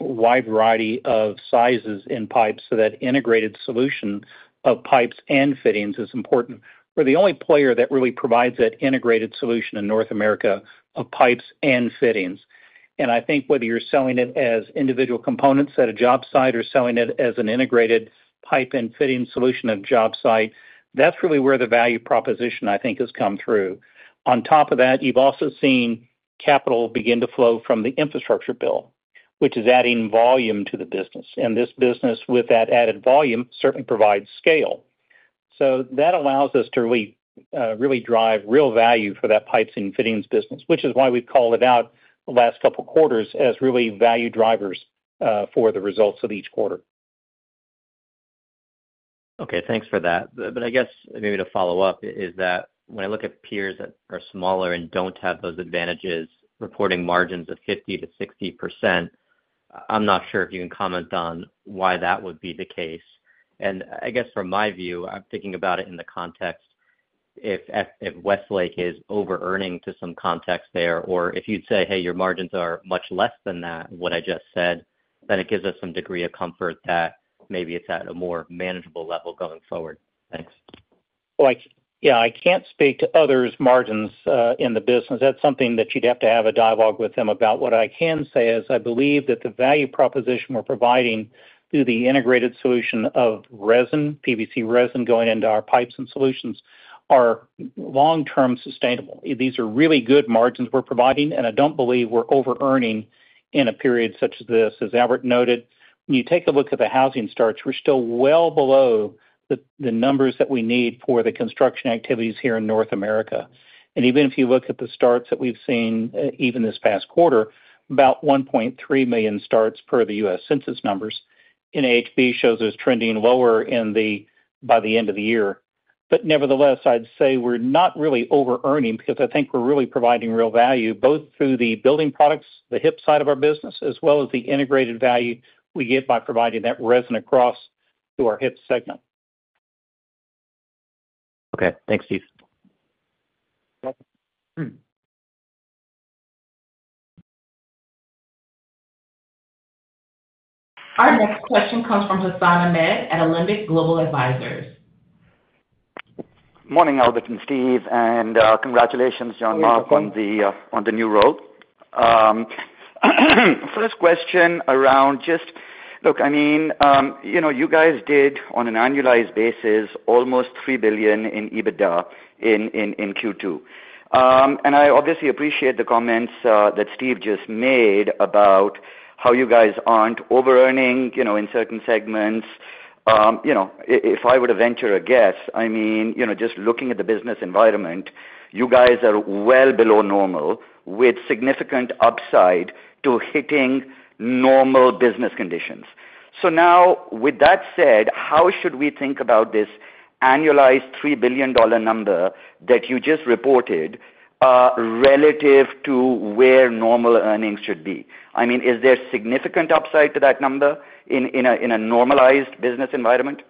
wide variety of sizes in pipes, so that integrated solution of pipes and fittings is important. We're the only player that really provides that integrated solution in North America of pipes and fittings. And I think whether you're selling it as individual components at a job site or selling it as an integrated pipe and fitting solution at a job site, that's really where the value proposition, I think, has come through. On top of that, you've also seen capital begin to flow from the infrastructure bill, which is adding volume to the business, and this business, with that added volume, certainly provides scale. That allows us to really, really drive real value for that pipes and fittings business, which is why we've called it out the last couple of quarters as really value drivers, for the results of each quarter. ... Okay, thanks for that. But I guess maybe to follow up is that when I look at peers that are smaller and don't have those advantages, reporting margins of 50%-60%, I'm not sure if you can comment on why that would be the case. And I guess from my view, I'm thinking about it in the context if Westlake is overearning to some context there, or if you'd say, "Hey, your margins are much less than that," what I just said, then it gives us some degree of comfort that maybe it's at a more manageable level going forward. Thanks. Well, yeah, I can't speak to others' margins in the business. That's something that you'd have to have a dialogue with them about. What I can say is, I believe that the value proposition we're providing through the integrated solution of resin, PVC resin, going into our pipes and solutions, are long-term sustainable. These are really good margins we're providing, and I don't believe we're overearning in a period such as this. As Albert noted, when you take a look at the housing starts, we're still well below the numbers that we need for the construction activities here in North America. Even if you look at the starts that we've seen, even this past quarter, about 1.3 million starts per the U.S. census numbers, NAHB shows us trending lower in the by the end of the year. But nevertheless, I'd say we're not really overearning, because I think we're really providing real value, both through the building products, the HIP side of our business, as well as the integrated value we get by providing that resin across to our HIP segment. Okay, thanks, Steve. Our next question comes from Hassan Ahmed at Alembic Global Advisors. Morning, Albert and Steve, and congratulations, Jean-Marc, on the new role. First question around just... Look, I mean, you know, you guys did, on an annualized basis, almost $3 billion in EBITDA in Q2. And I obviously appreciate the comments that Steve just made about how you guys aren't overearning, you know, in certain segments. You know, if I were to venture a guess, I mean, you know, just looking at the business environment, you guys are well below normal, with significant upside to hitting normal business conditions. So now, with that said, how should we think about this annualized $3 billion number that you just reported, relative to where normal earnings should be? I mean, is there significant upside to that number in a normalized business environment?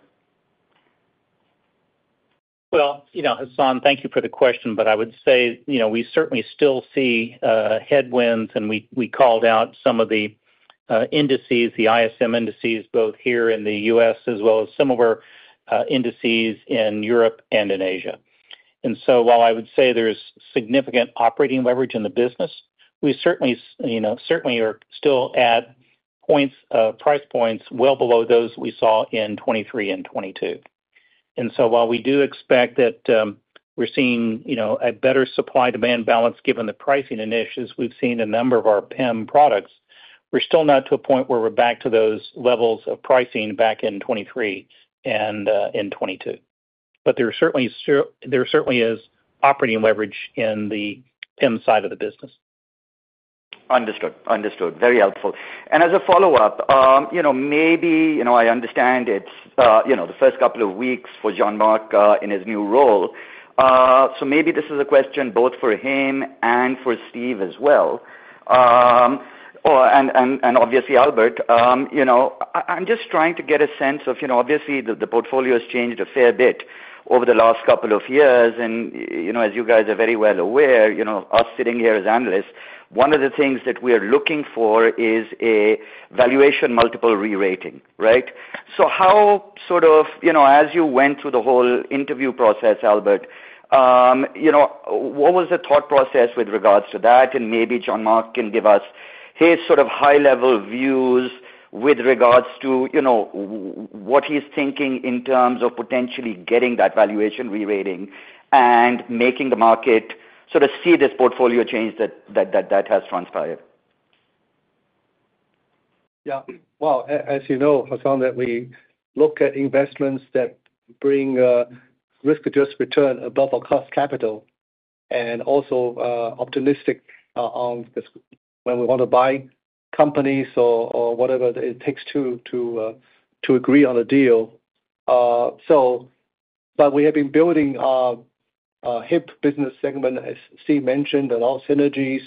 Well, you know, Hassan, thank you for the question, but I would say, you know, we certainly still see headwinds, and we called out some of the indices, the ISM indices, both here in the U.S. as well as similar indices in Europe and in Asia. And so while I would say there's significant operating leverage in the business, we certainly you know, certainly are still at price points well below those we saw in 2023 and 2022. And so while we do expect that we're seeing, you know, a better supply-demand balance given the pricing initiatives, we've seen a number of our PEM products, we're still not to a point where we're back to those levels of pricing back in 2023 and in 2022. But there certainly is operating leverage in the PEM side of the business. Understood. Understood. Very helpful. As a follow-up, you know, maybe, you know, I understand it's, you know, the first couple of weeks for Jean-Marc, in his new role, so maybe this is a question both for him and for Steve as well, or and obviously Albert. You know, I'm just trying to get a sense of, you know, obviously the, the portfolio has changed a fair bit over the last couple of years, and, you know, as you guys are very well aware, you know, us sitting here as analysts, one of the things that we are looking for is a valuation multiple re-rating, right? So how sort of, you know, as you went through the whole interview process, Albert, you know, what was the thought process with regards to that? Maybe Jean-Marc can give us his sort of high-level views with regards to, you know, what he's thinking in terms of potentially getting that valuation re-rating and making the market sort of see this portfolio change that has transpired. Yeah. Well, as you know, Hassan, that we look at investments that bring risk-adjusted return above our cost capital and also optimistic on this, when we want to buy companies or whatever it takes to agree on a deal. So but we have been building our HIP business segment, as Steve mentioned, a lot of synergies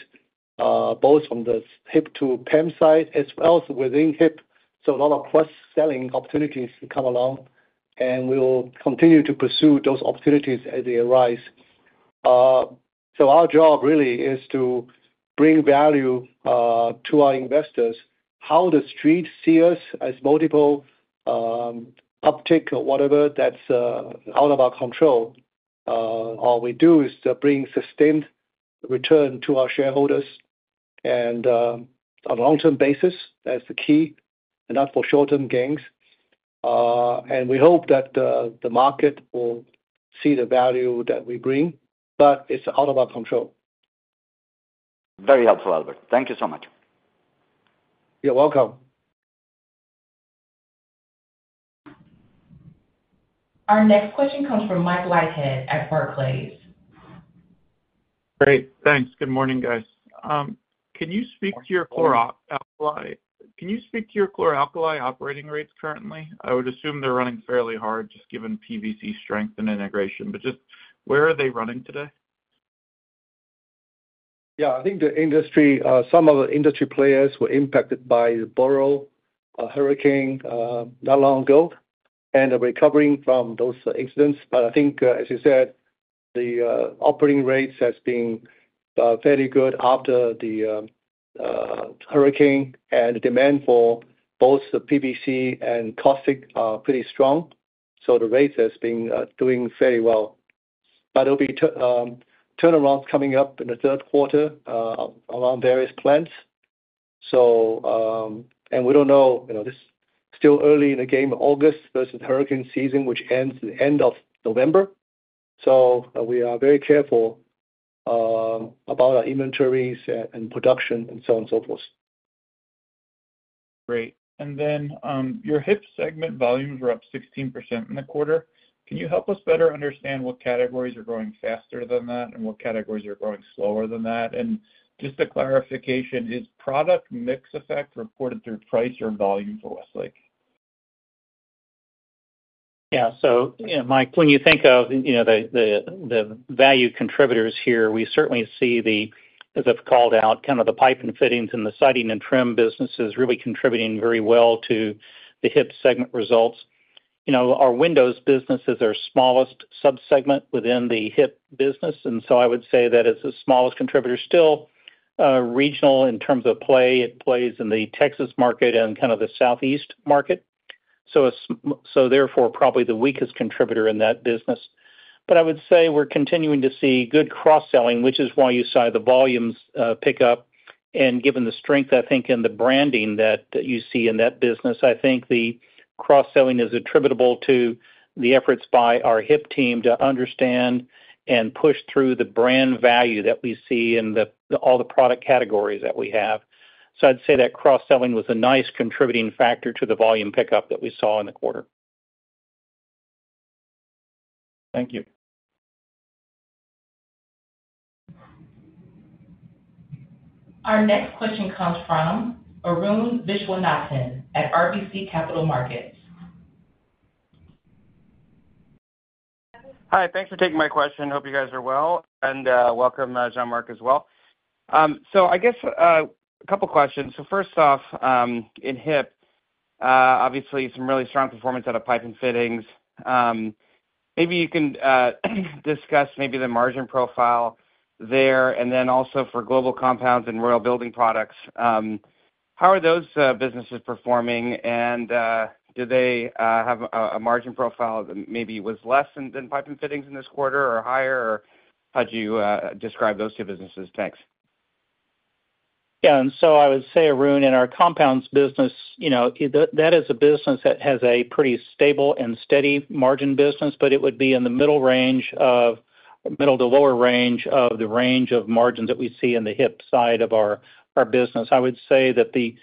both from the HIP to PEM side, as well as within HIP. So a lot of cross-selling opportunities come along, and we will continue to pursue those opportunities as they arise. So our job really is to bring value to our investors. How the street see us as multiple uptick or whatever, that's out of our control. All we do is to bring sustained return to our shareholders and, on a long-term basis, that's the key, and not for short-term gains. We hope that the, the market will see the value that we bring, but it's out of our control. Very helpful, Albert. Thank you so much. You're welcome. Our next question comes from Mike Leithead at Barclays. Great. Thanks. Good morning, guys. Can you speak to your chlor-alkali operating rates currently? I would assume they're running fairly hard, just given PVC strength and integration, but just where are they running today? Yeah, I think the industry, some of the industry players were impacted by the Hurricane Beryl, not long ago, and are recovering from those incidents. But I think, as you said, the operating rates has been, fairly good after the hurricane, and demand for both the PVC and caustic are pretty strong, so the rates has been, doing fairly well. But there'll be turnarounds coming up in the third quarter, around various plants. So, and we don't know, you know, this is still early in the game of August versus hurricane season, which ends the end of November. So we are very careful, about our inventories and, and production and so on and so forth. Great. Then, your HIP segment volumes were up 16% in the quarter. Can you help us better understand what categories are growing faster than that and what categories are growing slower than that? Just a clarification, is product mix effect reported through price or volume for us, like? Yeah. So, you know, Mike, when you think of, you know, the value contributors here, we certainly see the, as I've called out, kind of the pipe and fittings and the siding and trim businesses really contributing very well to the HIP segment results. You know, our windows business is our smallest subsegment within the HIP business, and so I would say that it's the smallest contributor, still, regional in terms of play. It plays in the Texas market and kind of the Southeast market, so it's so therefore, probably the weakest contributor in that business. But I would say we're continuing to see good cross-selling, which is why you saw the volumes pick up. Given the strength, I think, in the branding that, that you see in that business, I think the cross-selling is attributable to the efforts by our HIP team to understand and push through the brand value that we see in the, all the product categories that we have. I'd say that cross-selling was a nice contributing factor to the volume pickup that we saw in the quarter. Thank you. Our next question comes from Arun Viswanathan at RBC Capital Markets. Hi, thanks for taking my question. Hope you guys are well, and, welcome, Jean-Marc as well. So I guess, a couple questions. So first off, in HIP, obviously some really strong performance out of pipe and fittings. Maybe you can discuss maybe the margin profile there, and then also for Global Compounds and Royal Building Products, how are those businesses performing? And, do they have a, a margin profile that maybe was less than, than pipe and fittings in this quarter or higher, or how do you describe those two businesses? Thanks. Yeah. And so I would say, Arun, in our compounds business, you know, that is a business that has a pretty stable and steady margin business, but it would be in the middle range of middle to lower range of the range of margins that we see in the HIP side of our business. I would say that the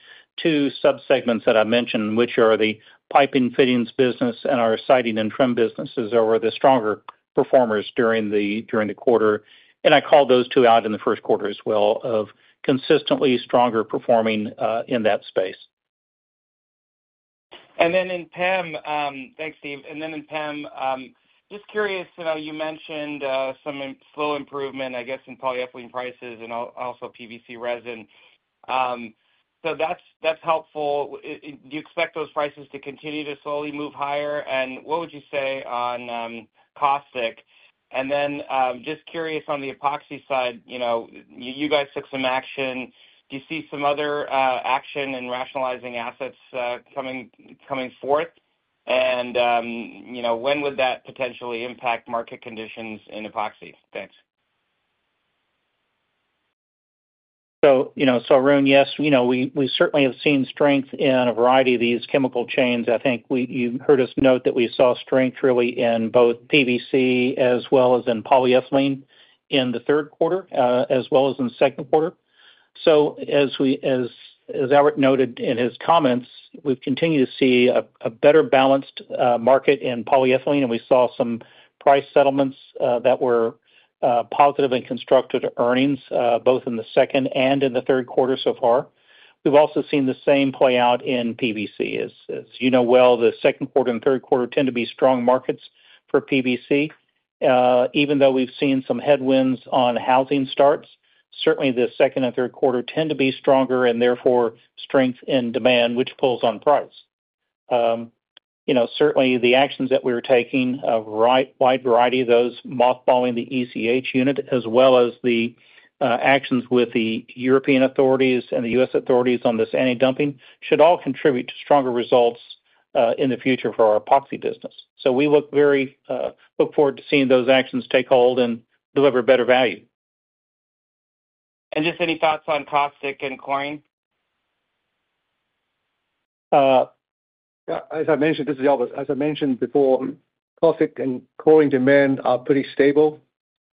two subsegments that I mentioned, which are the pipe and fittings business and our siding and trim businesses, are the stronger performers during the quarter. And I called those two out in the first quarter as well, of consistently stronger performing in that space. And then in PEM... Thanks, Steve. And then in PEM, just curious, you know, you mentioned some slow improvement, I guess, in polyethylene prices and also PVC resin. So that's, that's helpful. Do you expect those prices to continue to slowly move higher? And what would you say on caustic? And then, just curious on the Epoxy side, you know, you guys took some action. Do you see some other action in rationalizing assets coming, coming forth? And, you know, when would that potentially impact market conditions in Epoxy? Thanks. So, you know, so Arun, yes, you know, we certainly have seen strength in a variety of these chemical chains. I think you've heard us note that we saw strength really in both PVC as well as in polyethylene in the third quarter, as well as in the second quarter. So as Albert noted in his comments, we've continued to see a better balanced market in polyethylene, and we saw some price settlements that were positive and constructive to earnings both in the second and in the third quarter so far. We've also seen the same play out in PVC. As you know well, the second quarter and third quarter tend to be strong markets for PVC. Even though we've seen some headwinds on housing starts, certainly the second and third quarter tend to be stronger, and therefore strength in demand, which pulls on price. You know, certainly the actions that we're taking, a wide variety of those, mothballing the ECH unit, as well as the actions with the European authorities and the U.S. authorities on this anti-dumping, should all contribute to stronger results in the future for our Epoxy business. So we look very forward to seeing those actions take hold and deliver better value. Just any thoughts on caustic and chlorine? Yeah, as I mentioned, this is Albert. As I mentioned before, caustic and chlorine demand are pretty stable.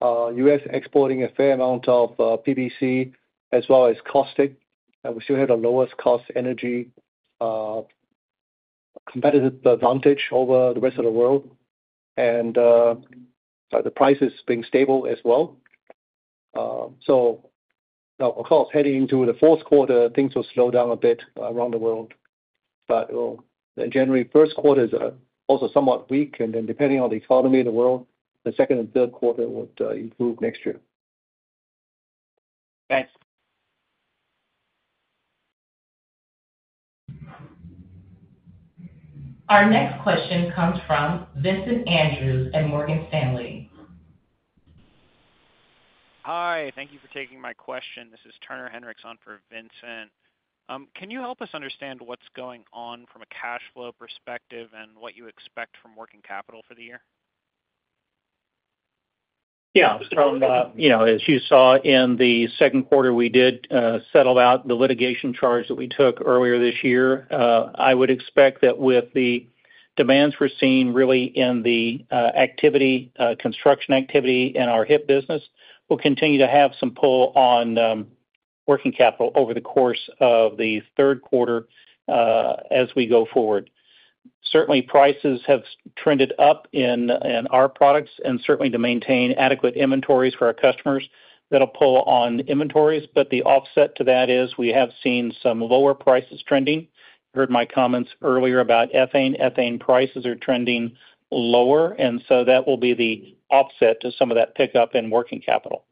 U.S. exporting a fair amount of PVC as well as caustic, and we still have the lowest cost energy competitive advantage over the rest of the world, and the price is being stable as well. So, of course, heading into the fourth quarter, things will slow down a bit around the world. But, well, then generally, first quarters are also somewhat weak, and then depending on the economy of the world, the second and third quarter would improve next year. Thanks. Our next question comes from Vincent Andrews at Morgan Stanley. Hi, thank you for taking my question. This is Turner Hendrix on for Vincent. Can you help us understand what's going on from a cash flow perspective and what you expect from working capital for the year? Yeah. From, you know, as you saw in the second quarter, we did settle out the litigation charge that we took earlier this year. I would expect that with the demands we're seeing really in the activity, construction activity in our hip business, we'll continue to have some pull on working capital over the course of the third quarter, as we go forward. Certainly, prices have trended up in, in our products, and certainly to maintain adequate inventories for our customers, that'll pull on inventories, but the offset to that is we have seen some lower prices trending. Heard my comments earlier about ethane. Ethane prices are trending lower, and so that will be the offset to some of that pickup in working capital.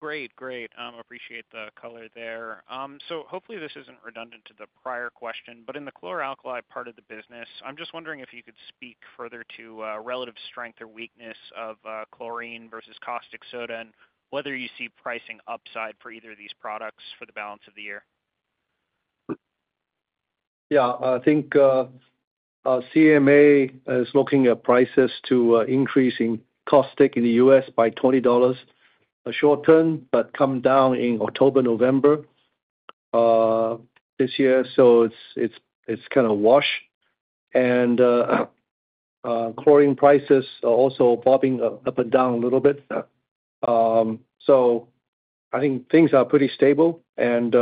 Great. Great. Appreciate the color there. So hopefully this isn't redundant to the prior question, but in the chlor-alkali part of the business, I'm just wondering if you could speak further to relative strength or weakness of chlorine versus caustic soda, and whether you see pricing upside for either of these products for the balance of the year? Yeah, I think, CMA is looking at prices to increase in caustic in the US by $20 a short term, but come down in October, November, this year, so it's, it's, it's kinda wash. And, chlorine prices are also bobbing up, up and down a little bit. So I think things are pretty stable and,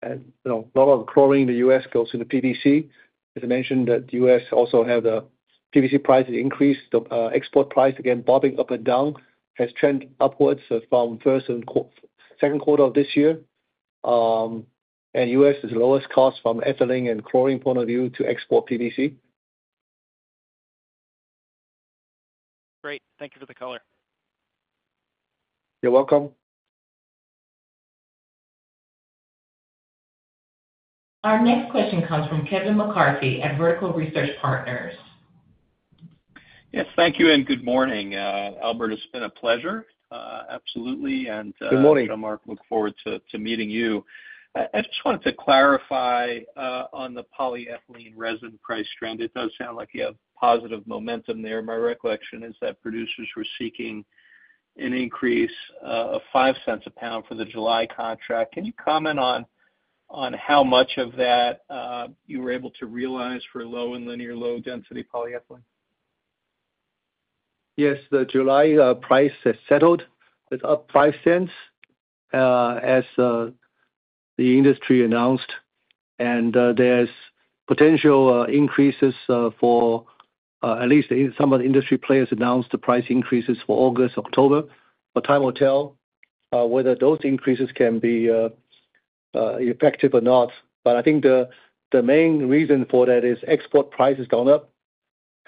and, you know, a lot of chlorine in the US goes into PVC. As I mentioned, that US also have the PVC prices increased. The, export price, again, bobbing up and down, has trended upwards from first and second quarter of this year. And US is the lowest cost from ethylene and chlorine point of view to export PVC. Great. Thank you for the color. You're welcome. Our next question comes from Kevin McCarthy at Vertical Research Partners. Yes, thank you, and good morning. Albert, it's been a pleasure, absolutely. Good morning. Mark, look forward to meeting you. I just wanted to clarify on the polyethylene resin price trend. It does sound like you have positive momentum there. My recollection is that producers were seeking an increase of $0.05 a pound for the July contract. Can you comment on how much of that you were able to realize for low and linear low density polyethylene? Yes, the July price has settled. It's up $0.05, as the industry announced, and there's potential increases for at least some of the industry players announced the price increases for August, October. But time will tell whether those increases can be effective or not. But I think the main reason for that is export prices gone up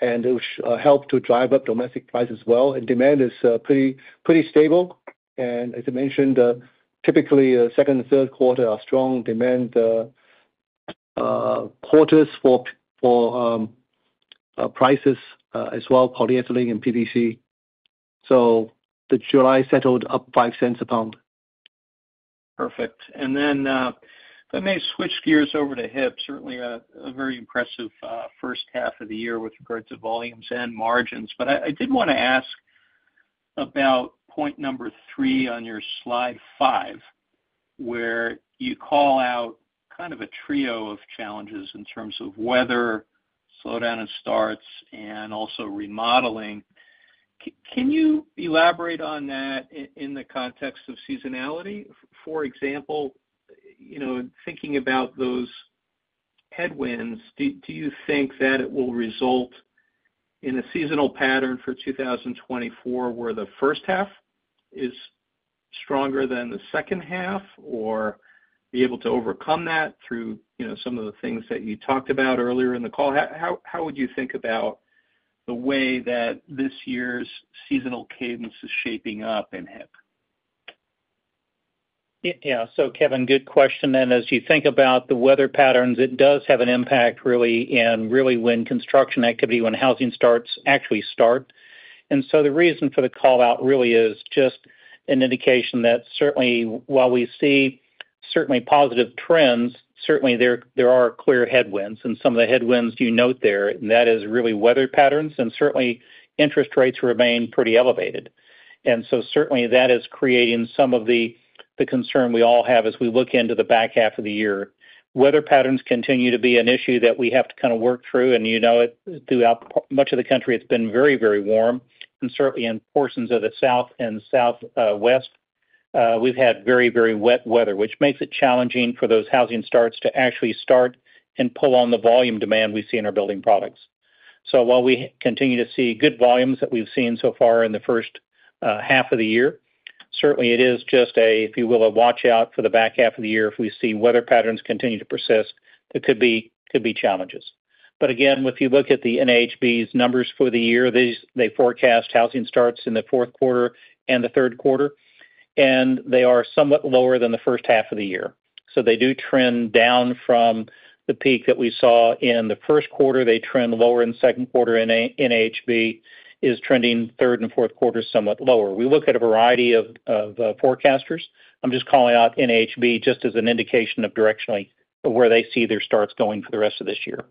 and which helped to drive up domestic price as well, and demand is pretty, pretty stable. And as I mentioned, typically, second and third quarter are strong demand quarters for prices as well, polyethylene and PVC. So the July settled up $0.05 a pound. Perfect. And then, let me switch gears over to hip. Certainly, very impressive first half of the year with regards to volumes and margins. But I did want to ask about point number three on your slide five, where you call out kind of a trio of challenges in terms of weather, slowdown in starts, and also remodeling. Can you elaborate on that in the context of seasonality? For example, you know, thinking about those headwinds, do you think that it will result in a seasonal pattern for 2024, where the first half is stronger than the second half, or be able to overcome that through, you know, some of the things that you talked about earlier in the call? How would you think about the way that this year's seasonal cadence is shaping up in hip? Yeah. So, Kevin, good question, and as you think about the weather patterns, it does have an impact, really, and really when construction activity, when housing starts, actually start. And so the reason for the call-out really is just an indication that certainly, while we see certainly positive trends, certainly there, there are clear headwinds. And some of the headwinds you note there, and that is really weather patterns, and certainly interest rates remain pretty elevated. And so certainly that is creating some of the, the concern we all have as we look into the back half of the year. Weather patterns continue to be an issue that we have to kinda work through, and you know it, throughout much of the country, it's been very, very warm, and certainly in portions of the South and Southwest.... We've had very, very wet weather, which makes it challenging for those housing starts to actually start and pull on the volume demand we see in our building products. So while we continue to see good volumes that we've seen so far in the first half of the year, certainly it is just a, if you will, a watch out for the back half of the year if we see weather patterns continue to persist, there could be, could be challenges. But again, if you look at the NAHB's numbers for the year, they forecast housing starts in the fourth quarter and the third quarter, and they are somewhat lower than the first half of the year. So they do trend down from the peak that we saw in the first quarter. They trend lower in the second quarter. NAHB is trending third and fourth quarter, somewhat lower. We look at a variety of forecasters. I'm just calling out NAHB just as an indication of directionally of where they see their starts going for the rest of this year.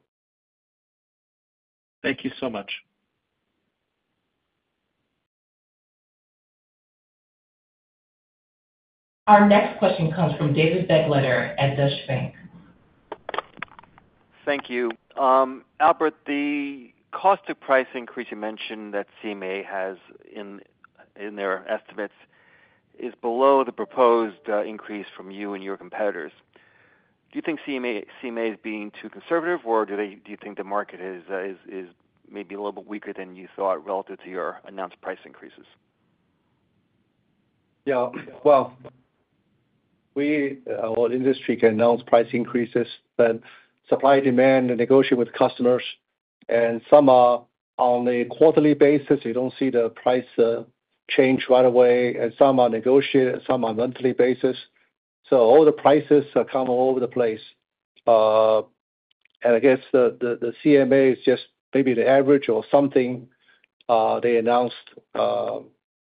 Thank you so much. Our next question comes from David Begleiter at Deutsche Bank. Thank you. Albert, the cost to price increase you mentioned that CMA has in their estimates is below the proposed increase from you and your competitors. Do you think CMA is being too conservative, or do you think the market is maybe a little bit weaker than you thought relative to your announced price increases? Yeah. Well, we, our industry can announce price increases, but supply, demand, and negotiate with customers, and some are on a quarterly basis. You don't see the price change right away, and some are negotiated, some on a monthly basis. So all the prices are kind of all over the place. And I guess the CMA is just maybe the average or something they announced.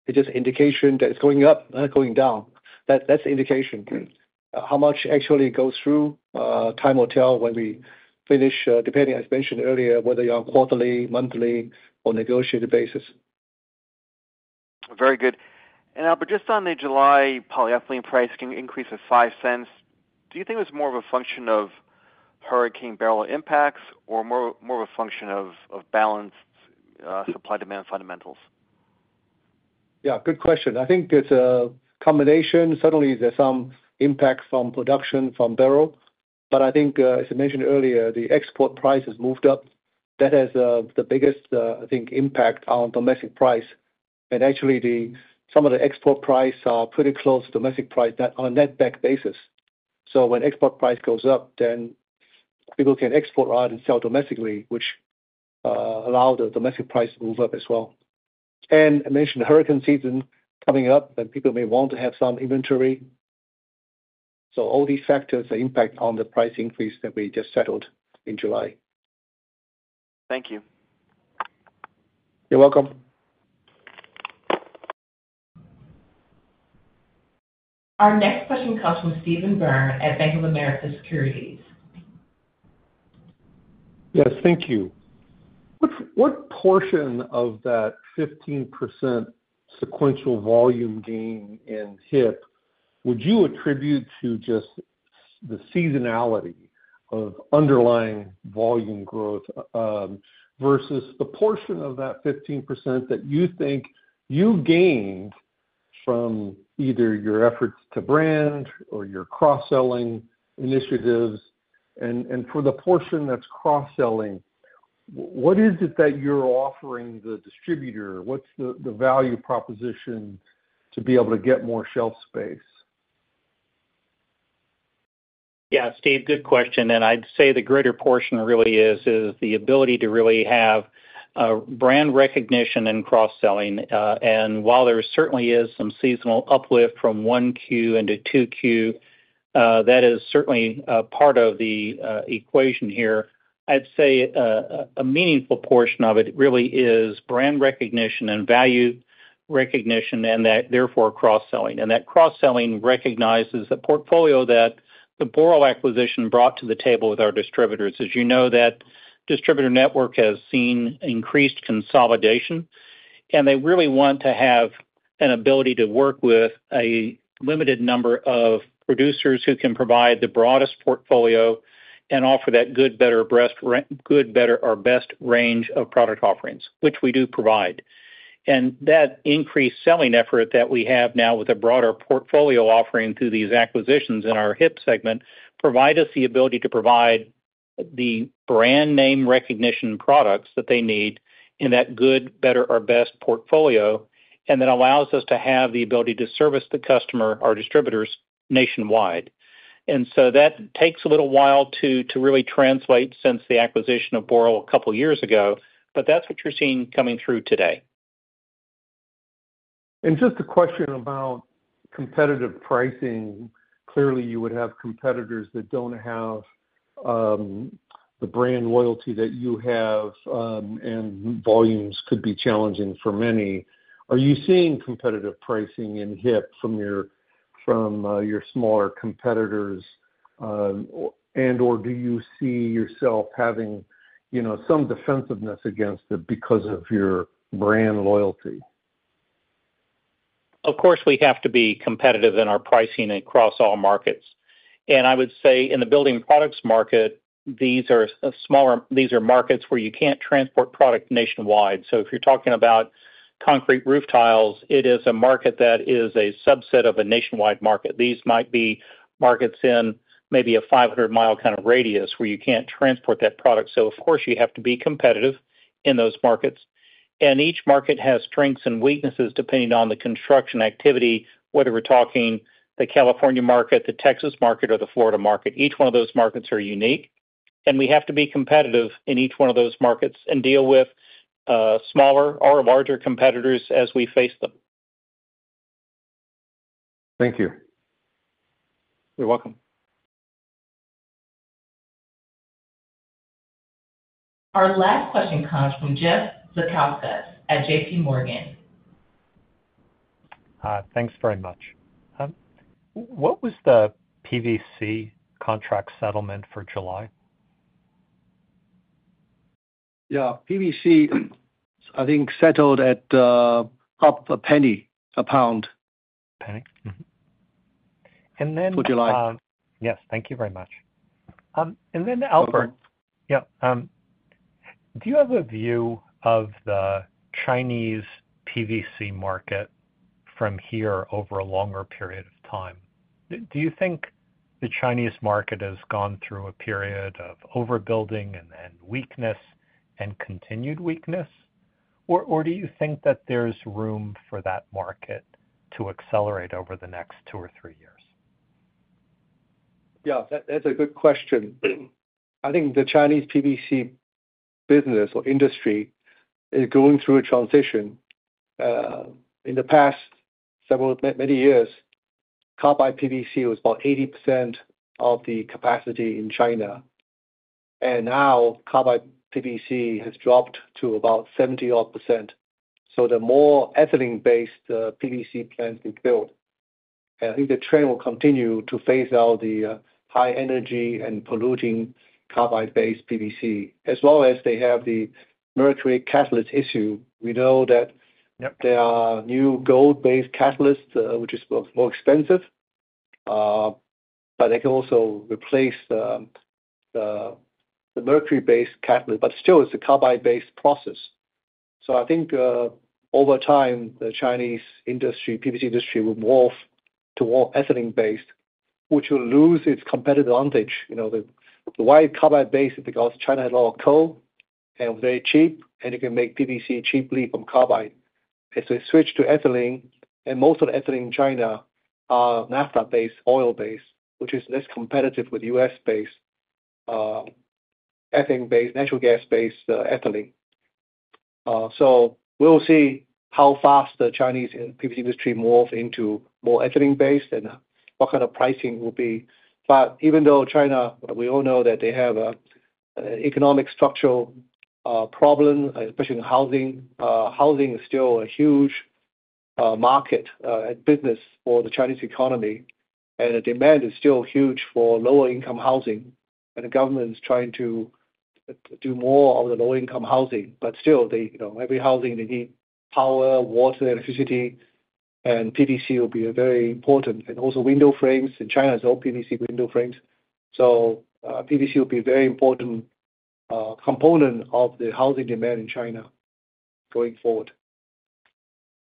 It's just indication that it's going up, not going down. That- that's the indication. How much actually goes through, time will tell when we finish, depending, as I mentioned earlier, whether you're on quarterly, monthly, or negotiated basis. Very good. Albert, just on the July polyethylene pricing increase of $0.05, do you think it was more of a function of Hurricane Beryl impacts or more, more of a function of, of balanced, supply-demand fundamentals? Yeah, good question. I think it's a combination. Certainly there's some impact from production from Beryl, but I think, as I mentioned earlier, the export price has moved up. That has the biggest, I think, impact on domestic price. And actually, some of the export price are pretty close to domestic price that on a net back basis. So when export price goes up, then people can export out and sell domestically, which allow the domestic price to move up as well. And I mentioned the hurricane season coming up, and people may want to have some inventory. So all these factors impact on the price increase that we just settled in July. Thank you. You're welcome. Our next question comes from Steven Byrne at Bank of America Securities. Yes, thank you. What portion of that 15% sequential volume gain in HIP would you attribute to just the seasonality of underlying volume growth, versus the portion of that 15% that you think you gained from either your efforts to brand or your cross-selling initiatives? And for the portion that's cross-selling, what is it that you're offering the distributor? What's the value proposition to be able to get more shelf space? Yeah, Steve, good question, and I'd say the greater portion really is the ability to really have brand recognition and cross-selling. And while there certainly is some seasonal uplift from one Q into two Q, that is certainly part of the equation here. I'd say a meaningful portion of it really is brand recognition and value recognition, and that therefore cross-selling. And that cross-selling recognizes the portfolio that the Boral acquisition brought to the table with our distributors. As you know, that distributor network has seen increased consolidation, and they really want to have an ability to work with a limited number of producers who can provide the broadest portfolio and offer that good, better, or best range of product offerings, which we do provide. And that increased selling effort that we have now with a broader portfolio offering through these acquisitions in our HIP segment provides us the ability to provide the brand name recognition products that they need in that good, better, or best portfolio, and that allows us to have the ability to service the customer, our distributors nationwide. And so that takes a little while to really translate since the acquisition of Boral a couple years ago, but that's what you're seeing coming through today. Just a question about competitive pricing. Clearly, you would have competitors that don't have the brand loyalty that you have, and volumes could be challenging for many. Are you seeing competitive pricing in HIP from your smaller competitors, or and/or do you see yourself having, you know, some defensiveness against it because of your brand loyalty? Of course, we have to be competitive in our pricing across all markets. And I would say in the building products market, these are markets where you can't transport product nationwide. So if you're talking about concrete roof tiles, it is a market that is a subset of a nationwide market. These might be markets in maybe a 500-mile kind of radius, where you can't transport that product. So of course, you have to be competitive in those markets. And each market has strengths and weaknesses depending on the construction activity, whether we're talking the California market, the Texas market, or the Florida market. Each one of those markets are unique, and we have to be competitive in each one of those markets and deal with smaller or larger competitors as we face them. Thank you. You're welcome. Our last question comes from Jeff Zukowski at J.P. Morgan. Thanks very much. What was the PVC contract settlement for July? Yeah, PVC, I think settled at up $0.01 a pound. Penny. Mm-hmm. And then, For July. Yes. Thank you very much. And then, Albert- Okay. Yeah. Do you have a view of the Chinese PVC market from here over a longer period of time? Do you think the Chinese market has gone through a period of overbuilding and weakness and continued weakness? Or do you think that there's room for that market to accelerate over the next two or three years? Yeah, that's a good question. I think the Chinese PVC business or industry is going through a transition. In the past several, many years, carbide PVC was about 80% of the capacity in China, and now carbide PVC has dropped to about 70-odd%. So the more ethylene-based PVC plants they build, and I think the trend will continue to phase out the high energy and polluting carbide-based PVC. As well as they have the mercury catalyst issue. We know that- Yep... there are new gold-based catalysts, which is more expensive, but they can also replace the mercury-based catalyst. But still, it's a carbide-based process. So I think, over time, the Chinese industry, PVC industry, will morph toward ethylene-based, which will lose its competitive advantage. You know, the why carbide-based is because China has a lot of coal, and it was very cheap, and you can make PVC cheaply from carbide. As they switch to ethylene, and most of the ethylene in China are naphtha-based, oil-based, which is less competitive with U.S.-based, ethylene-based, natural gas-based, ethylene. So we'll see how fast the Chinese PVC industry morphs into more ethylene-based and what kind of pricing will be. But even though China, we all know that they have an economic structural problem, especially in housing. Housing is still a huge market and business for the Chinese economy, and the demand is still huge for lower income housing, and the government is trying to do more of the low income housing. But still, they, you know, every housing, they need power, water, electricity, and PVC will be a very important... And also window frames, and China is all PVC window frames. So, PVC will be a very important component of the housing demand in China going forward.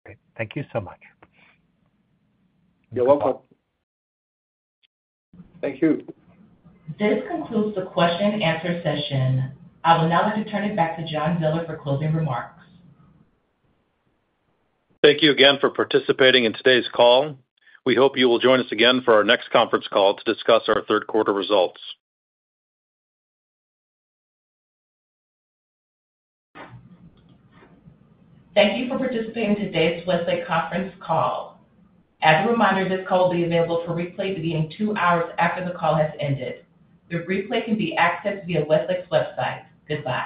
Okay. Thank you so much. You're welcome. Thank you. This concludes the question and answer session. I would now like to turn it back to John Miller for closing remarks. Thank you again for participating in today's call. We hope you will join us again for our next conference call to discuss our third quarter results. Thank you for participating in today's Westlake conference call. As a reminder, this call will be available for replay beginning two hours after the call has ended. The replay can be accessed via Westlake's website. Goodbye.